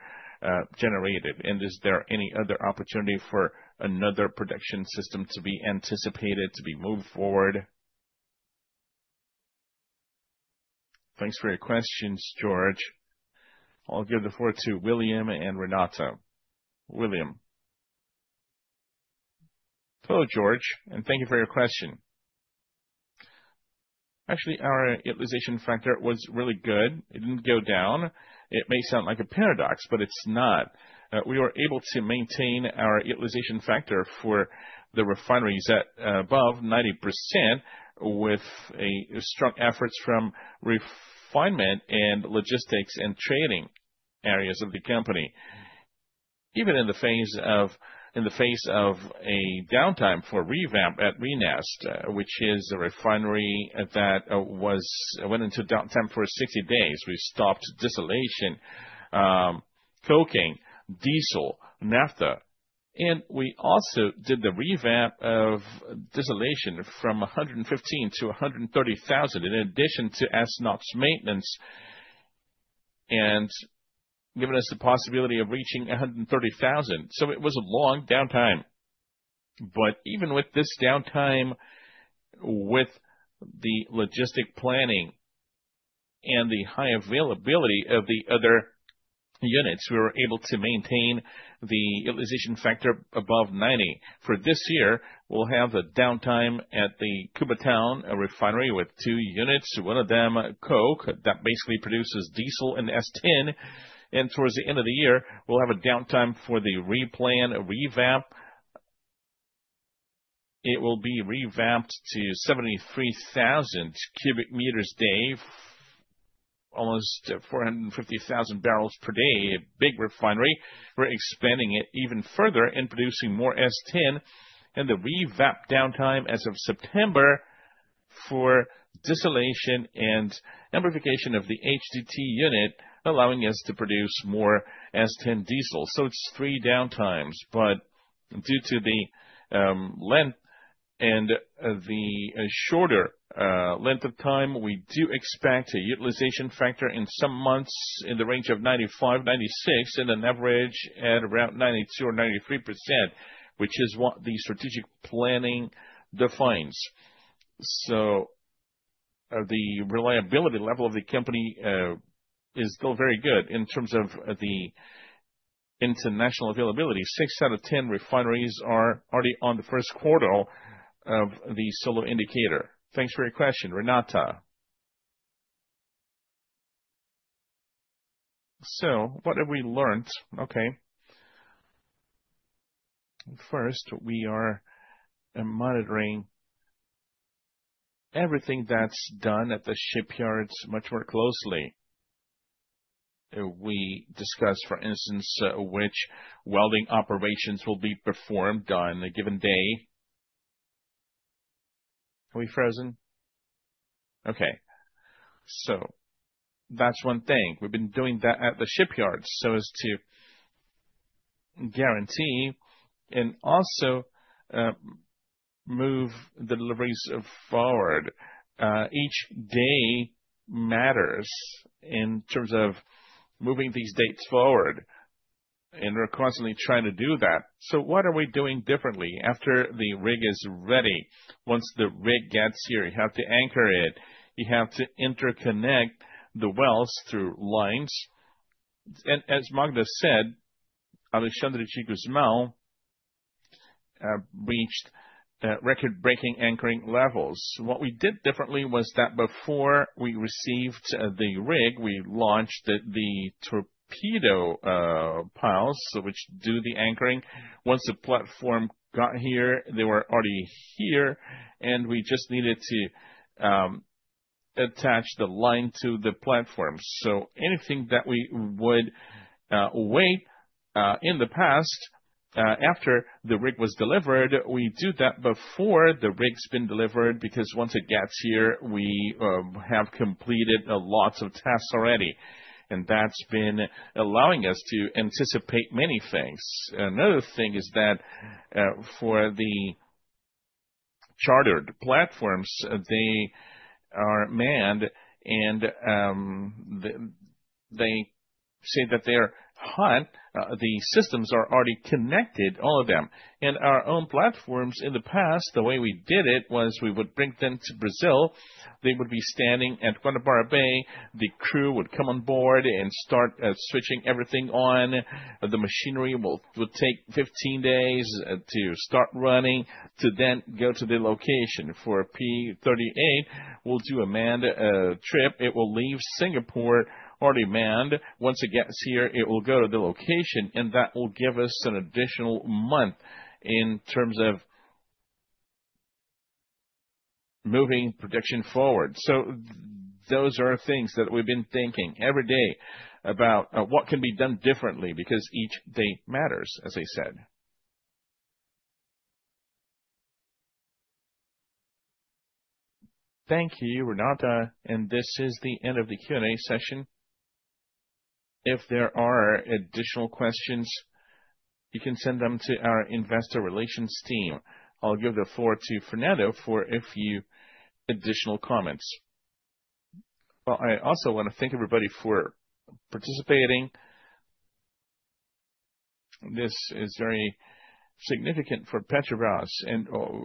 generated? Is there any other opportunity for another production system to be anticipated, to be moved forward? Thanks for your questions, George. I'll give the floor to William and Renata. William. Hello, George, and thank you for your question. Actually, our utilization factor was really good. It didn't go down. It may sound like a paradox, but it's not. We were able to maintain our utilization factor for the refineries at above 90% with strong efforts from refinement and logistics and trading areas of the company. Even in the phase of a downtime for revamp at RENEST, which is a refinery that went into downtime for 60 days, we stopped distillation, coking, diesel, naphtha. We also did the revamp of distillation from 115,000 to 130,000, in addition to SNOX maintenance, giving us the possibility of reaching 130,000. It was a long downtime. Even with this downtime, with the logistic planning and the high availability of the other units, we were able to maintain the utilization factor above 90%. For this year, we'll have a downtime at the Cubatão refinery with two units, one of them coke that basically produces diesel and S10. Towards the end of the year, we'll have a downtime for the Replan revamp. It will be revamped to 73,000 cubic meters a day, almost 450,000 bbl per day, a big refinery. We're expanding it even further and producing more S10. The revamp downtime as of September for distillation and amplification of the HDT unit, allowing us to produce more S10 diesel. It's three downtimes, but due to the length and the shorter length of time, we do expect a utilization factor in some months in the range of 95%-96%, and an average at around 92% or 93%, which is what the strategic planning defines. The reliability level of the company is still very good in terms of the international availability. Six out of 10 refineries are already on the first quarter of the solo indicator. Thanks for your question, Renata. What have we learned? First, we are monitoring everything that is done at the shipyards much more closely. We discuss, for instance, which welding operations will be performed on a given day. Are we frozen? That is one thing. We have been doing that at the shipyards so as to guarantee and also move the deliveries forward. Each day matters in terms of moving these dates forward, and we are constantly trying to do that. What are we doing differently after the rig is ready? Once the rig gets here, you have to anchor it. You have to interconnect the wells through lines. As Magda said, Alexandra Giguzmau reached record-breaking anchoring levels. What we did differently was that before we received the rig, we launched the torpedo piles, which do the anchoring. Once the platform got here, they were already here, and we just needed to attach the line to the platform. Anything that we would wait in the past after the rig was delivered, we do that before the rig's been delivered because once it gets here, we have completed lots of tasks already. That has been allowing us to anticipate many things. Another thing is that for the chartered platforms, they are manned, and they say that they're hot. The systems are already connected, all of them. Our own platforms in the past, the way we did it was we would bring them to Brazil. They would be standing at Guanabara Bay. The crew would come on board and start switching everything on. The machinery will take 15 days to start running to then go to the location. For P38, we'll do a manned trip. It will leave Singapore already manned. Once it gets here, it will go to the location, and that will give us an additional month in terms of moving production forward. Those are things that we've been thinking every day about what can be done differently because each day matters, as I said. Thank you, Renata, and this is the end of the Q&A session. If there are additional questions, you can send them to our investor relations team. I will give the floor to Fernando for a few additional comments. I also want to thank everybody for participating. This is very significant for Petrobras.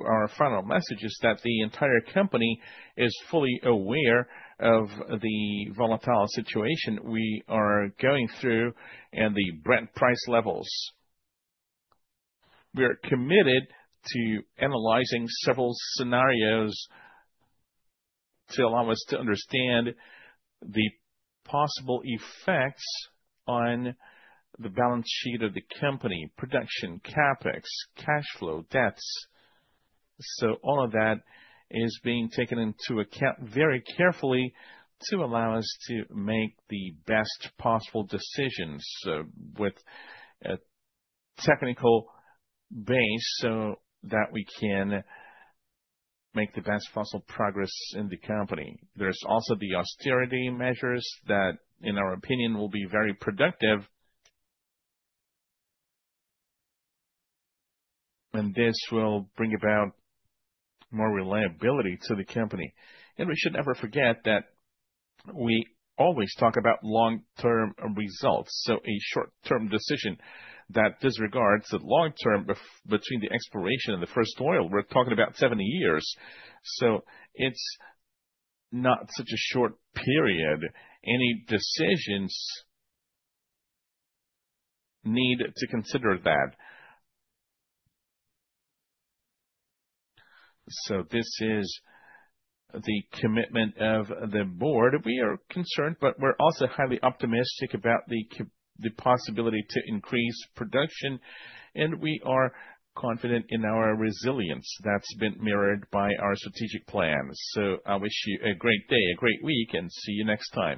Our final message is that the entire company is fully aware of the volatile situation we are going through and the Brent price levels. We are committed to analyzing several scenarios to allow us to understand the possible effects on the balance sheet of the company, production, CapEx, cash flow, debts. All of that is being taken into account very carefully to allow us to make the best possible decisions with a technical base so that we can make the best possible progress in the company. There are also the austerity measures that, in our opinion, will be very productive. This will bring about more reliability to the company. We should never forget that we always talk about long-term results. A short-term decision that disregards the long-term between the expiration and the first oil, we are talking about 70 years. It is not such a short period. Any decisions need to consider that. This is the commitment of the board. We are concerned, but we are also highly optimistic about the possibility to increase production. We are confident in our resilience that has been mirrored by our strategic plans. I wish you a great day, a great week, and see you next time.